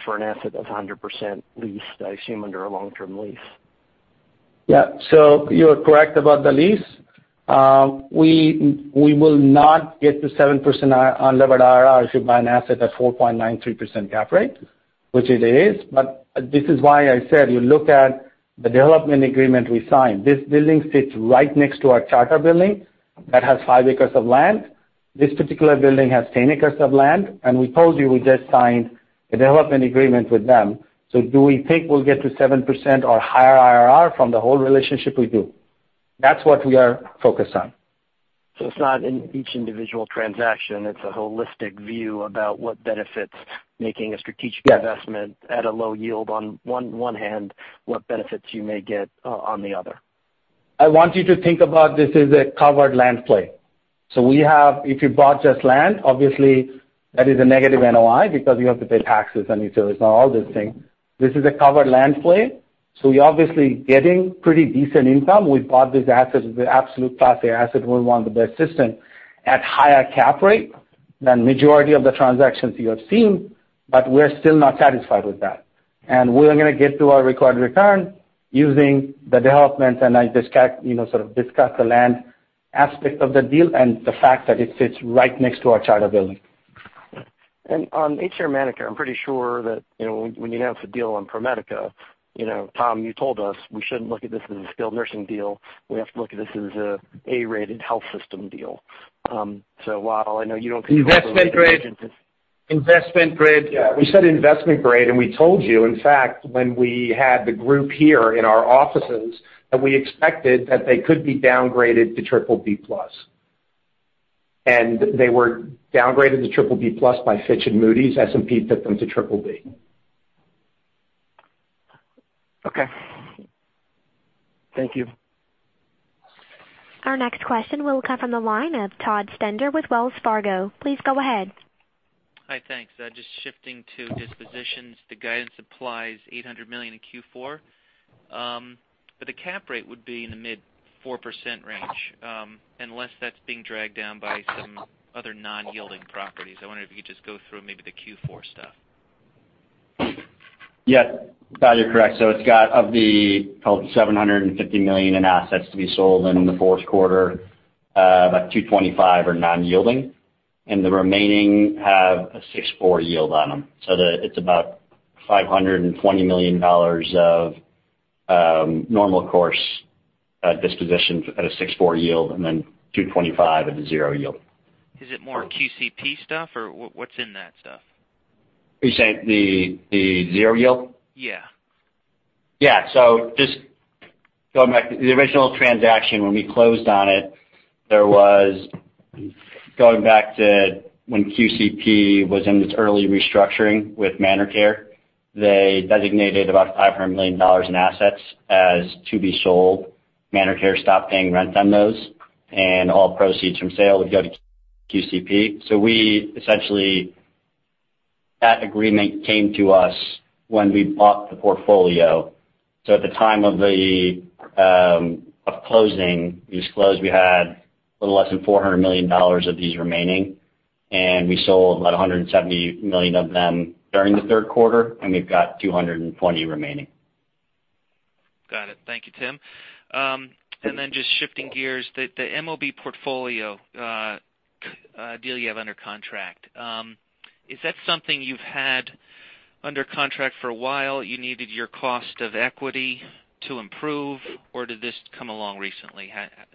an asset that's 100% leased, I assume, under a long-term lease? Yeah. You're correct about the lease. We will not get to 7% unlevered IRR if you buy an asset at 4.93% cap rate, which it is. This is why I said, you look at the development agreement we signed. This building sits right next to our charter building that has five acres of land. This particular building has 10 acres of land, and we told you we just signed a development agreement with them. Do we think we'll get to 7% or higher IRR from the whole relationship? We do. That's what we are focused on. It's not in each individual transaction, it's a holistic view about what benefits making a strategic- Yeah investment at a low yield on one hand, what benefits you may get on the other. I want you to think about this as a covered land play. If you bought just land, obviously, that is a negative NOI because you have to pay taxes and utilities and all these things. This is a covered land play, we're obviously getting pretty decent income. We bought these assets as the absolute class A asset we want in the best system at higher cap rate than majority of the transactions you have seen, but we're still not satisfied with that. We're going to get to our required return using the development, and I sort of discussed the land aspect of the deal and the fact that it sits right next to our charter building. On HCR ManorCare, I'm pretty sure that when you announced the deal on ProMedica, Tom, you told us we shouldn't look at this as a skilled nursing deal. We have to look at this as an A-rated health system deal. While I know you don't- Investment grade. Yeah. We said investment grade, and we told you, in fact, when we had the group here in our offices, that we expected that they could be downgraded to BBB+. They were downgraded to BBB+ by Fitch and Moody's. S&P put them to BB. Okay. Thank you. Our next question will come from the line of Todd Stender with Wells Fargo. Please go ahead. Hi, thanks. Just shifting to dispositions, the guidance applies $800 million in Q4. The cap rate would be in the mid 4% range. Unless that's being dragged down by some other non-yielding properties. I wonder if you could just go through maybe the Q4 stuff. Yes. Todd, you're correct. It's got of the call it $750 million in assets to be sold in the fourth quarter, about 225 are non-yielding, and the remaining have a 6.4 yield on them. It's about $520 million of normal course disposition at a 6.4 yield, and then 225 at a 0 yield. Is it more QCP stuff, or what's in that stuff? You're saying the zero yield? Yeah. Yeah. Just going back, the original transaction, when we closed on it. Going back to when QCP was in its early restructuring with ManorCare, they designated about $500 million in assets as to be sold. ManorCare stopped paying rent on those, and all proceeds from sale would go to QCP. Essentially, that agreement came to us when we bought the portfolio. At the time of closing, we disclosed we had a little less than $400 million of these remaining, and we sold about $170 million of them during the third quarter, and we've got 220 remaining. Got it. Thank you, Tim. Then just shifting gears, the MOB portfolio deal you have under contract, is that something you've had under contract for a while, you needed your cost of equity to improve, or did this come along recently?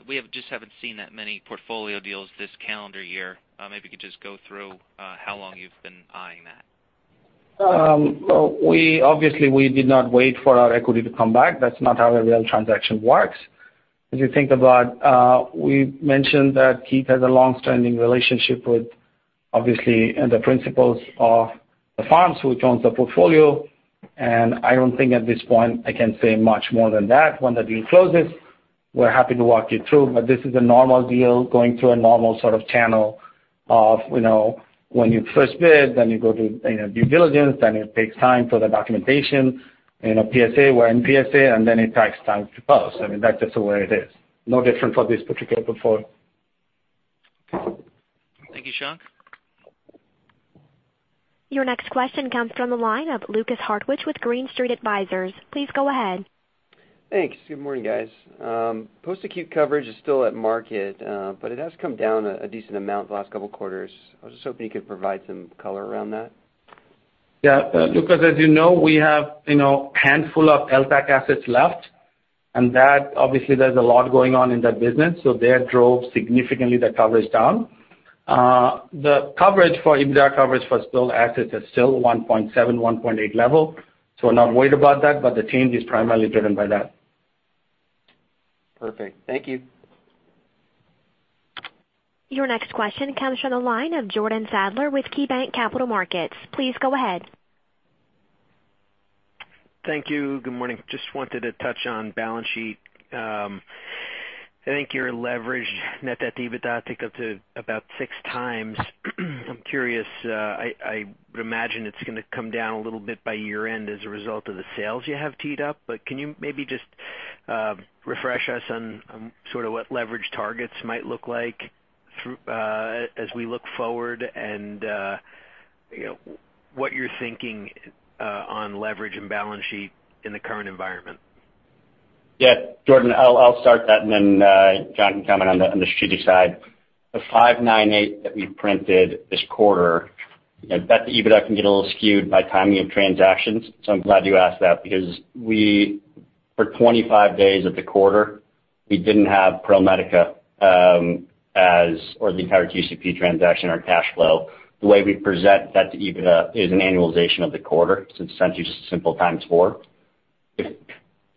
We just haven't seen that many portfolio deals this calendar year. Maybe you could just go through how long you've been eyeing that. Well, obviously, we did not wait for our equity to come back. That's not how a real transaction works. If you think about, we mentioned that Keith has a longstanding relationship with, obviously, the principals of the firms who owns the portfolio. I don't think at this point I can say much more than that. When the deal closes, we're happy to walk you through, but this is a normal deal going through a normal sort of channel of when you first bid, then you go through due diligence, then it takes time for the documentation, PSA or PSA, and then it takes time to close. I mean, that's just the way it is. No different for this particular portfolio. Thank you, Shank. Your next question comes from the line of Lukas Hartwich with Green Street Advisors. Please go ahead. Thanks. Good morning, guys. Post-acute coverage is still at market, but it has come down a decent amount the last couple of quarters. I was just hoping you could provide some color around that. Yeah. Lukas, as you know, we have a handful of LTAC assets left, and obviously there's a lot going on in that business, so they drove significantly the coverage down. The EBITDA coverage for those assets is still 1.7, 1.8 level, so we're not worried about that, but the change is primarily driven by that. Perfect. Thank you. Your next question comes from the line of Jordan Sadler with KeyBanc Capital Markets. Please go ahead. Thank you. Good morning. Just wanted to touch on balance sheet. I think your leverage net at EBITDA ticked up to about six times. I'm curious, I would imagine it's going to come down a little bit by year-end as a result of the sales you have teed up. Can you maybe just refresh us on sort of what leverage targets might look like as we look forward and what you're thinking on leverage and balance sheet in the current environment? Jordan, I'll start that, John can comment on the strategic side. The 5.98x that we printed this quarter, that EBITDA can get a little skewed by timing of transactions. I'm glad you asked that, because for 25 days of the quarter, we didn't have ProMedica or the entire QCP transaction or cash flow. The way we present that to EBITDA is an annualization of the quarter, it's essentially just a simple times four.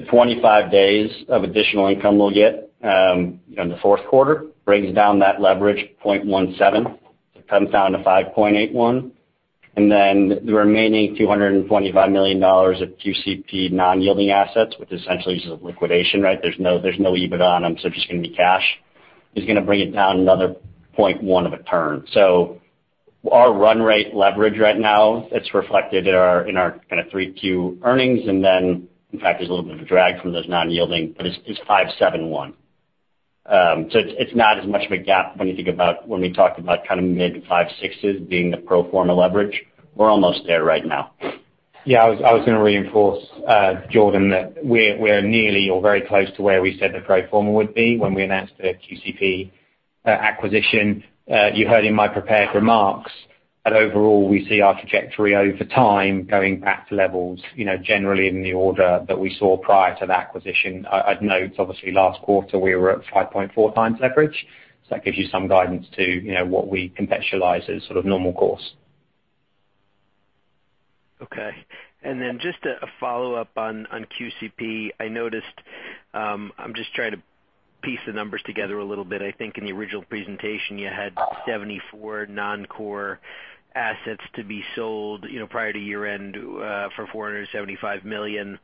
The 25 days of additional income we'll get in the fourth quarter brings down that leverage 0.17, so it comes down to 5.81. The remaining $225 million of QCP non-yielding assets, which essentially is a liquidation, there's no EBITDA on them, so it's just going to be cash, is going to bring it down another 0.1 of a turn. Our run rate leverage right now, it is reflected in our kind of 3Q earnings. In fact, there is a little bit of a drag from those non-yielding, but it is 5.71. It is not as much of a gap when you think about when we talked about kind of mid 5.6s being the pro forma leverage. We are almost there right now. I was going to reinforce, Jordan, that we are nearly or very close to where we said the pro forma would be when we announced the QCP acquisition. You heard in my prepared remarks that overall, we see our trajectory over time going back to levels generally in the order that we saw prior to the acquisition. I would note, obviously, last quarter, we were at 5.4 times leverage. That gives you some guidance to what we contextualize as sort of normal course. Okay. Just a follow-up on QCP. I am just trying to piece the numbers together a little bit. I think in the original presentation, you had 74 non-core assets to be sold prior to year-end for $475 million.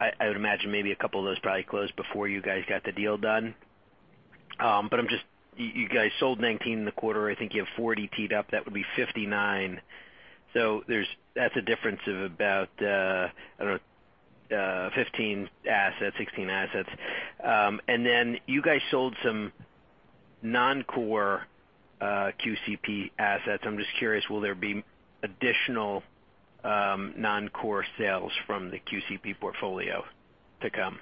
I would imagine maybe a couple of those probably closed before you guys got the deal done. You guys sold 19 in the quarter. I think you have 40 teed up. That would be 59. That is a difference of about, I don't know, 15 assets, 16 assets. You guys sold some non-core QCP assets. I am just curious, will there be additional non-core sales from the QCP portfolio to come?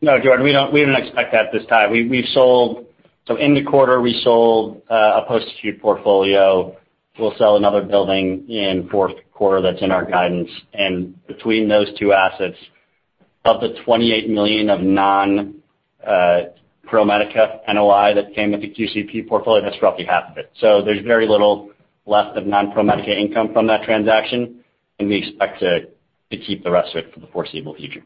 No, Jordan, we do not expect that at this time. In the quarter, we sold a post-acute portfolio. We will sell another building in fourth quarter that is in our guidance. Between those two assets, of the $28 million of non-ProMedica NOI that came with the QCP portfolio, that is roughly half of it. There is very little left of non-ProMedica income from that transaction. We expect to keep the rest of it for the foreseeable future.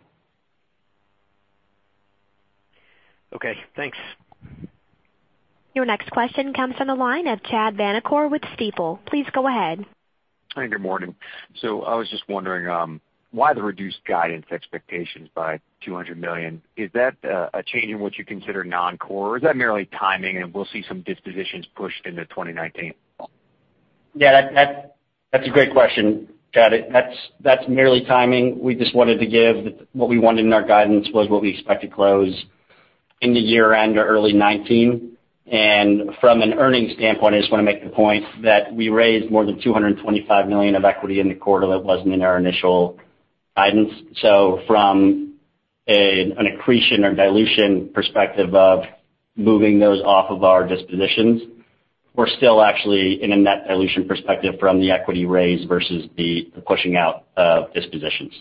Okay, thanks. Your next question comes from the line of Chad Vanacore with Stifel. Please go ahead. Hey, good morning. I was just wondering why the reduced guidance expectations by $200 million. Is that a change in what you consider non-core, or is that merely timing, and we'll see some dispositions pushed into 2019? Yeah, that's a great question, Chad. That's merely timing. What we wanted in our guidance was what we expect to close in the year-end or early 2019. From an earnings standpoint, I just want to make the point that we raised more than $225 million of equity in the quarter that wasn't in our initial guidance. From an accretion or dilution perspective of moving those off of our dispositions, we're still actually in a net dilution perspective from the equity raise versus the pushing out of dispositions.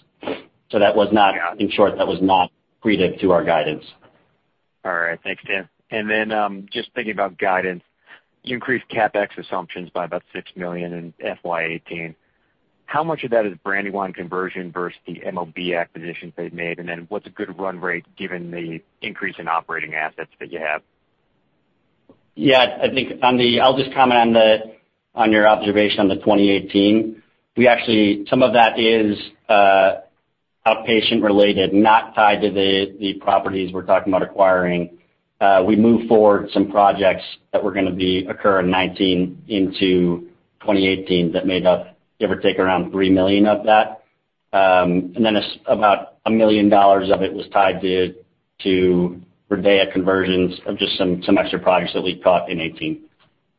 That was not, in short, that was not accretive to our guidance. All right. Thanks, Tim. Just thinking about guidance, you increased CapEx assumptions by about $6 million in FY 2018. How much of that is Brandywine conversion versus the MOB acquisitions they've made? What's a good run rate given the increase in operating assets that you have? Yeah, I'll just comment on your observation on the 2018. Some of that is outpatient related, not tied to the properties we're talking about acquiring. We moved forward some projects that were going to occur in 2019 into 2018 that made up, give or take, around $3 million of that. About $1 million of it was tied to RIDEA conversions of just some extra projects that we caught in 2018.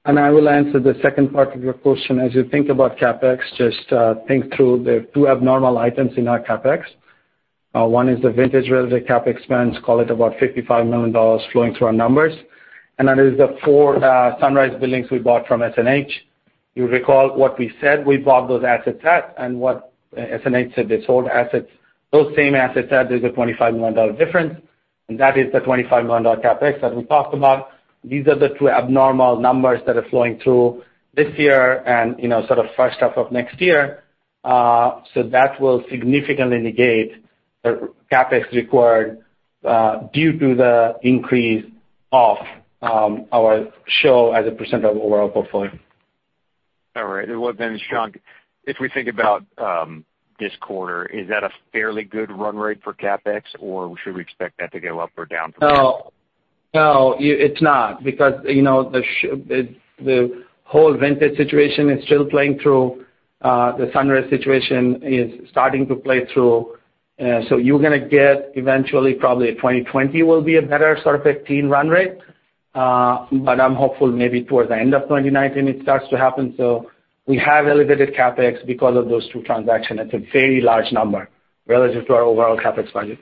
I will answer the second part of your question. As you think about CapEx, just think through the two abnormal items in our CapEx. One is the Vintage-related CapEx spends, call it about $55 million flowing through our numbers. That is the four Sunrise buildings we bought from SNH. You recall what we said we bought those assets at and what SNH said they sold assets, those same assets at. There's a $25 million difference, and that is the $25 million CapEx that we talked about. These are the two abnormal numbers that are flowing through this year and sort of fresh off of next year. That will significantly negate the CapEx required due to the increase of our SHOP as a percent of overall portfolio. All right. Shankh, if we think about this quarter, is that a fairly good run rate for CapEx, or should we expect that to go up or down from here? No, it's not, because the whole Vintage situation is still playing through. The Sunrise situation is starting to play through. You're gonna get eventually, probably 2020 will be a better sort of 15 run rate. I'm hopeful maybe towards the end of 2019 it starts to happen. We have elevated CapEx because of those two transactions. It's a very large number relative to our overall CapEx funding.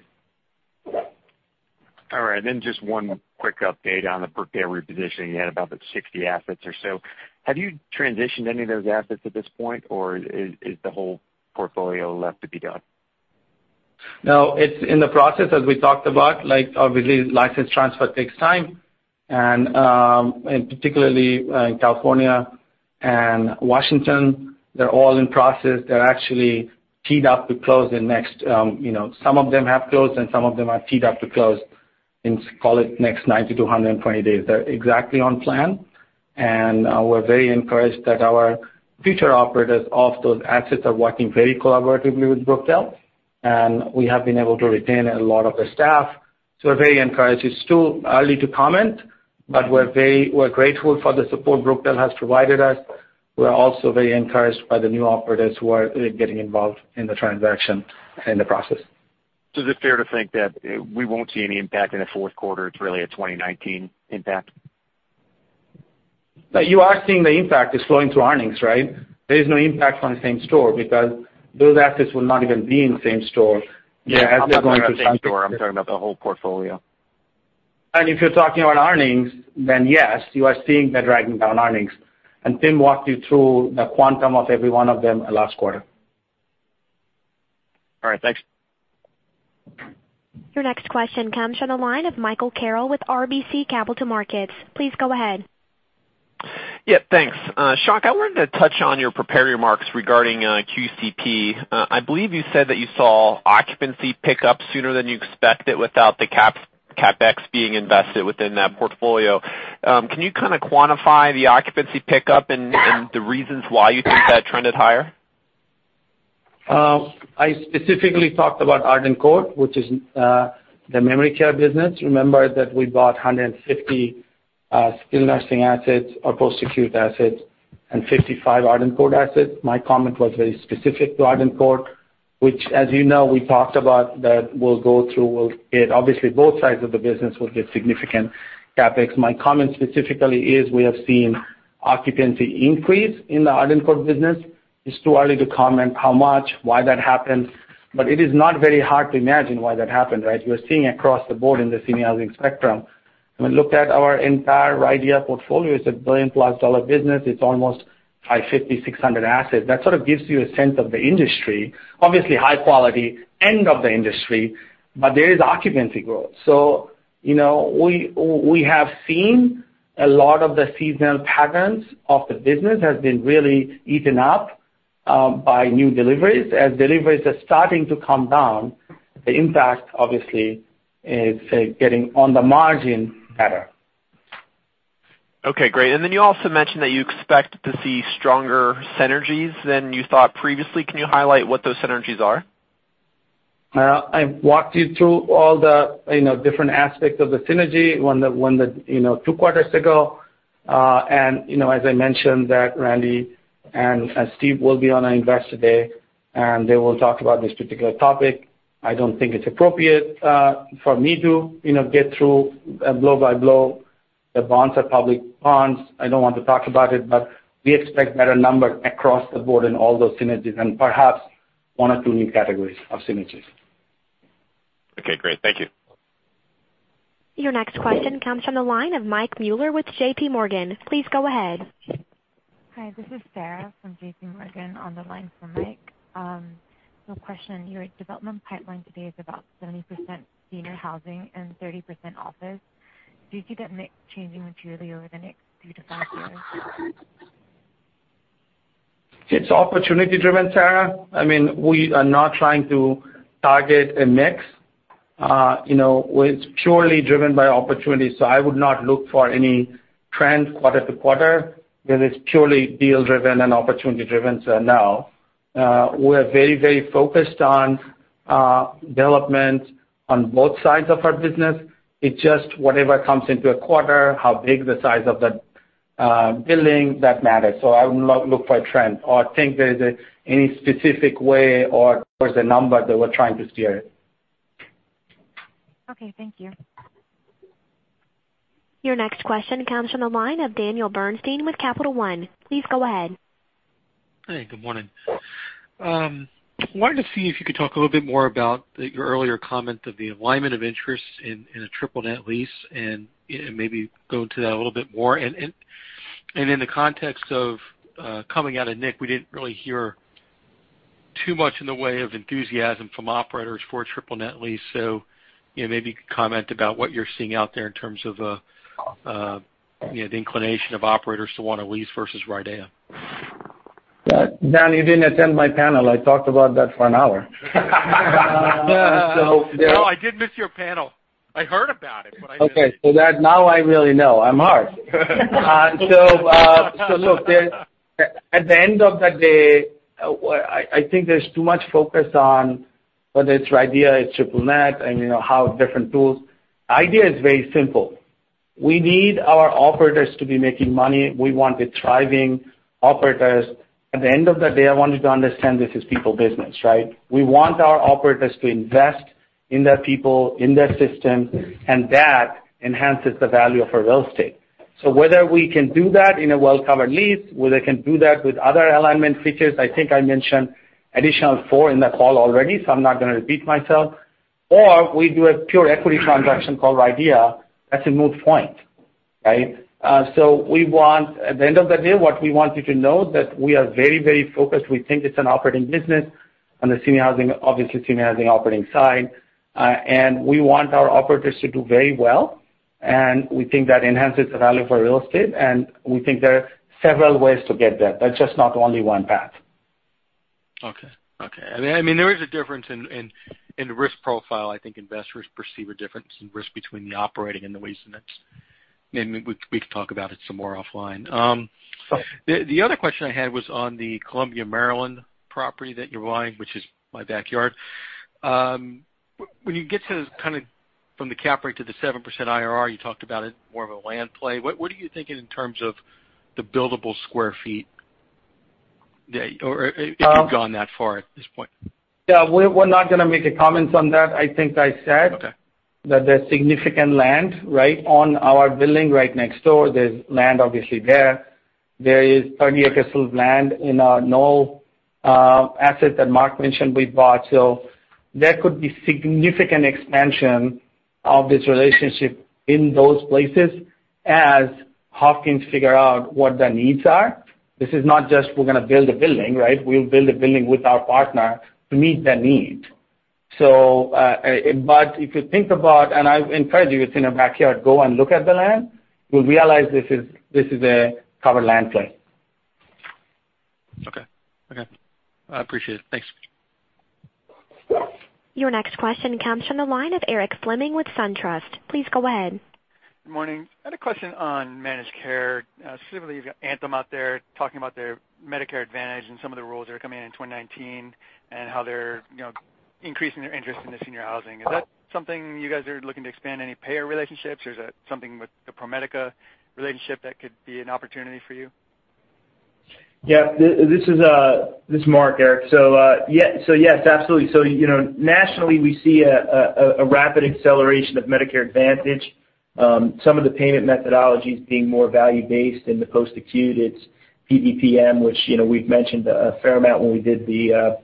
All right, just one quick update on the Brookdale repositioning. You had about 60 assets or so. Have you transitioned any of those assets at this point, or is the whole portfolio left to be done? No, it's in the process, as we talked about. Obviously, license transfer takes time, particularly in California and Washington, they're all in process. They're actually teed up to close in some of them have closed, and some of them are teed up to close in, call it, next 90 to 120 days. They're exactly on plan. We're very encouraged that our future operators of those assets are working very collaboratively with Brookdale, and we have been able to retain a lot of the staff. We're very encouraged. It's too early to comment, but we're grateful for the support Brookdale has provided us. We're also very encouraged by the new operators who are getting involved in the transaction in the process. Is it fair to think that we won't see any impact in the fourth quarter? It's really a 2019 impact? You are seeing the impact. It's flowing through earnings, right? There is no impact on the same store because those assets will not even be in the same store as they're going through- Yeah, I'm not talking about same store. I'm talking about the whole portfolio. If you're talking about earnings, then yes, you are seeing they're dragging down earnings. Tim walked you through the quantum of every one of them last quarter. All right, thanks. Your next question comes from the line of Michael Carroll with RBC Capital Markets. Please go ahead. Yeah, thanks. Shankh, I wanted to touch on your prepared remarks regarding QCP. I believe you said that you saw occupancy pick up sooner than you expected without the CapEx being invested within that portfolio. Can you kind of quantify the occupancy pickup and the reasons why you think that trended higher? I specifically talked about Arden Courts, which is the memory care business. Remember that we bought 150 skilled nursing assets or post-acute assets and 55 Arden Courts assets. My comment was very specific to Arden Courts, which, as you know, we talked about that we'll go through. Obviously, both sides of the business will get significant CapEx. My comment specifically is we have seen occupancy increase in the Arden Courts business. It's too early to comment how much, why that happened, but it is not very hard to imagine why that happened, right? We're seeing across the board in the senior housing spectrum. When we looked at our entire RIDEA portfolio, it's a $1 billion-plus business. It's almost 550, 600 assets. That sort of gives you a sense of the industry. Obviously, high quality end of the industry, but there is occupancy growth. We have seen a lot of the seasonal patterns of the business has been really eaten up by new deliveries. As deliveries are starting to come down, the impact, obviously, is getting, on the margin, better. Okay, great. Then you also mentioned that you expect to see stronger synergies than you thought previously. Can you highlight what those synergies are? I walked you through all the different aspects of the synergy two quarters ago. As I mentioned that Randy and Steve will be on our Investor Day, and they will talk about this particular topic. I don't think it's appropriate for me to get through blow by blow. The bonds are public bonds. I don't want to talk about it, but we expect better numbers across the board in all those synergies and perhaps one or two new categories of synergies. Okay, great. Thank you. Your next question comes from the line of Mike Mueller with JPMorgan. Please go ahead. Hi, this is Sarah from JPMorgan on the line for Mike. A question. Your development pipeline today is about 70% senior housing and 30% office. Do you see that mix changing materially over the next three to five years? It's opportunity driven, Sarah. We are not trying to target a mix. It's purely driven by opportunity. I would not look for any trend quarter to quarter because it's purely deal driven and opportunity driven. Now, we're very focused on development on both sides of our business. It's just whatever comes into a quarter, how big the size of the building, that matters. I would not look for a trend or think there's any specific way or towards the number that we're trying to steer it. Okay, thank you. Your next question comes from the line of Daniel Bernstein with Capital One. Please go ahead. Hey, good morning. Wanted to see if you could talk a little bit more about your earlier comment of the alignment of interests in a triple net lease and maybe go into that a little bit more. In the context of coming out of NIC, we didn't really hear too much in the way of enthusiasm from operators for triple net lease. Maybe comment about what you're seeing out there in terms of the inclination of operators to want to lease versus RIDEA. Dan, you didn't attend my panel. I talked about that for an hour. No, I did miss your panel. I heard about it, but I didn't- Okay. Now I really know. I'm hurt. Look, at the end of the day, I think there's too much focus on whether it's RIDEA, it's triple net, and how different tools. RIDEA is very simple. We need our operators to be making money. We want the thriving operators. At the end of the day, I want you to understand this is people business, right? We want our operators to invest in their people, in their system, and that enhances the value of our real estate. Whether we can do that in a well-covered lease, whether they can do that with other alignment features, I think I mentioned additional four in the call already, I'm not going to repeat myself. We do a pure equity transaction called RIDEA, that's a moot point, right? At the end of the day, what we want you to know that we are very focused. We think it's an operating business on the senior housing, obviously, senior housing operating side. We want our operators to do very well. We think that enhances the value for real estate. We think there are several ways to get there. There's just not only one path. Okay. There is a difference in risk profile. I think investors perceive a difference in risk between the operating and the lease. We can talk about it some more offline. Sure. The other question I had was on the Columbia, Maryland property that you're buying, which is my backyard. When you get to kind of from the cap rate to the 7% IRR, you talked about it more of a land play. What are you thinking in terms of the buildable square feet? Or if you've gone that far at this point. Yeah. We're not going to make a comment on that. Okay that there's significant land right on our building right next door. There's land obviously there. There is 30 acres of land in our Knoll asset that Mark mentioned we bought. There could be significant expansion of this relationship in those places as Hopkins figure out what their needs are. This is not just we're going to build a building, right? We'll build a building with our partner to meet their need. If you think about, and I encourage you, it's in your backyard, go and look at the land. You'll realize this is a covered land play. Okay. I appreciate it. Thanks. Your next question comes from the line of Eric Fleming with SunTrust. Please go ahead. Good morning. I had a question on managed care. Specifically, you've got Anthem out there talking about their Medicare Advantage and some of the rules that are coming in 2019 and how they're increasing their interest in the senior housing. Is that something you guys are looking to expand any payer relationships, or is that something with the ProMedica relationship that could be an opportunity for you? Yes. This is Mark, Eric. Yes, absolutely. Nationally, we see a rapid acceleration of Medicare Advantage. Some of the payment methodologies being more value-based in the post-acute. It's PBPM, which we've mentioned a fair amount when we did the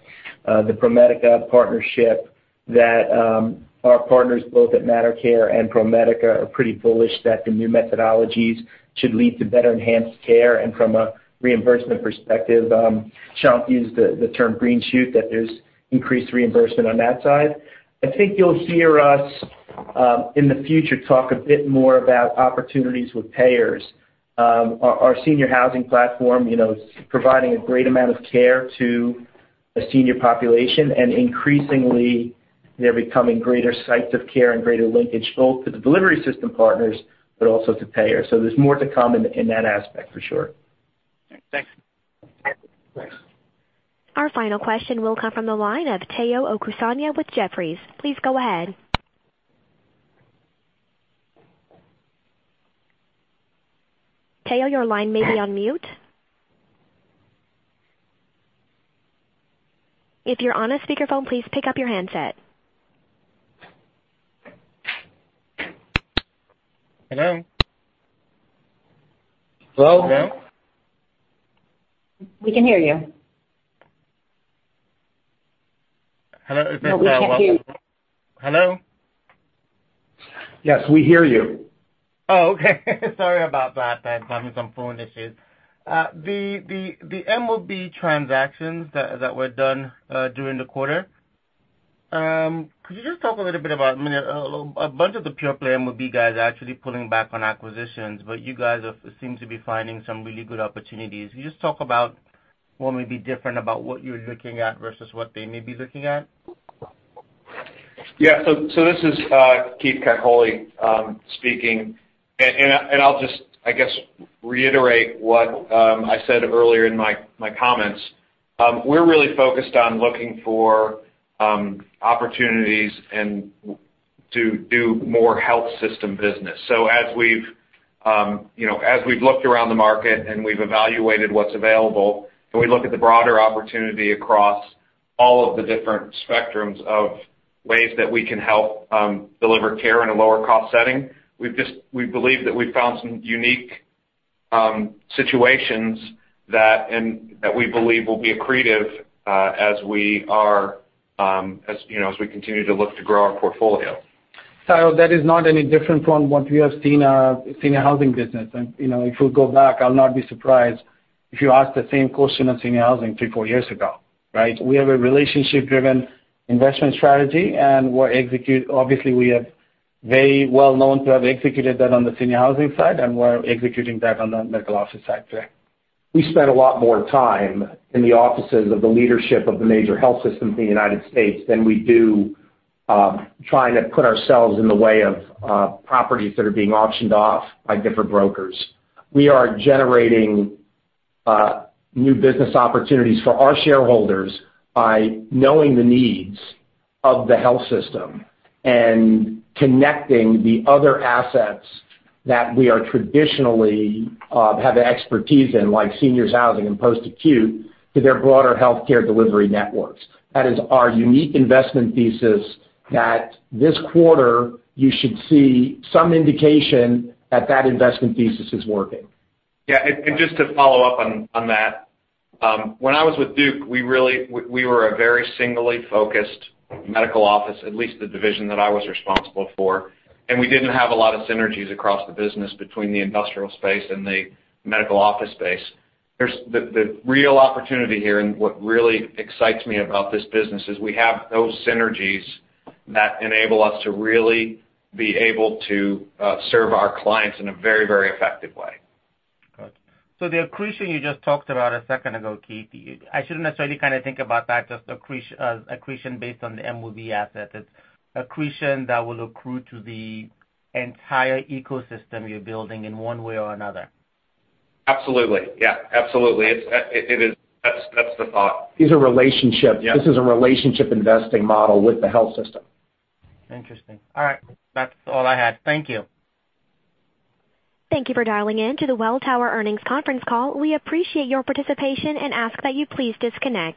ProMedica partnership that our partners both at ManorCare and ProMedica are pretty bullish that the new methodologies should lead to better enhanced care. From a reimbursement perspective, Shankh used the term green shoot, that there's increased reimbursement on that side. I think you'll hear us in the future, talk a bit more about opportunities with payers. Our senior housing platform is providing a great amount of care to a senior population, and increasingly they're becoming greater sites of care and greater linkage both to the delivery system partners but also to payers. There's more to come in that aspect for sure. Thanks. Thanks. Our final question will come from the line of Tayo Okusanya with Jefferies. Please go ahead. Tayo, your line may be on mute. If you're on a speakerphone, please pick up your handset. Hello? Hello? We can hear you. Hello, is this Hello? Yes, we hear you. Oh, okay. Sorry about that. I'm having some phone issues. The MOB transactions that were done during the quarter, could you just talk a little bit about, a bunch of the pure play MOB guys are actually pulling back on acquisitions, but you guys seem to be finding some really good opportunities. Can you just talk about what may be different about what you're looking at versus what they may be looking at? Yeah. This is Keith Konkoli speaking. I'll just, I guess, reiterate what I said earlier in my comments. We're really focused on looking for opportunities and to do more health system business. As we've looked around the market and we've evaluated what's available, and we look at the broader opportunity across all of the different spectrums of ways that we can help deliver care in a lower cost setting, we believe that we've found some unique situations that we believe will be accretive as we continue to look to grow our portfolio. That is not any different from what we have seen at senior housing business. If we go back, I'll not be surprised if you ask the same question on senior housing 3, 4 years ago, right? We have a relationship-driven investment strategy, and obviously, we are very well known to have executed that on the senior housing side, and we're executing that on the medical office side today. We spend a lot more t3ime in the offices of the leadership of the major health systems in the U.S. than we do trying to put ourselves in the way of properties that are being auctioned off by different brokers. We are generating new business opportunities for our shareholders by knowing the needs of the health system and connecting the other assets that we traditionally have expertise in, like seniors housing and post-acute, to their broader healthcare delivery networks. That is our unique investment thesis that this quarter you should see some indication that that investment thesis is working. Yeah. Just to follow up on that, when I was with Duke Realty, we were a very singularly focused medical office, at least the division that I was responsible for. We didn't have a lot of synergies across the business between the industrial space and the medical office space. The real opportunity here, and what really excites me about this business, is we have those synergies that enable us to really be able to serve our clients in a very, very effective way. Got it. The accretion you just talked about a second ago, Keith, I shouldn't necessarily think about that just accretion based on the MOB asset. It's accretion that will accrue to the entire ecosystem you're building in one way or another. Absolutely. Yeah. Absolutely. That's the thought. These are relationships. Yeah. This is a relationship investing model with the health system. Interesting. All right. That's all I had. Thank you. Thank you for dialing in to the Welltower earnings conference call. We appreciate your participation and ask that you please disconnect.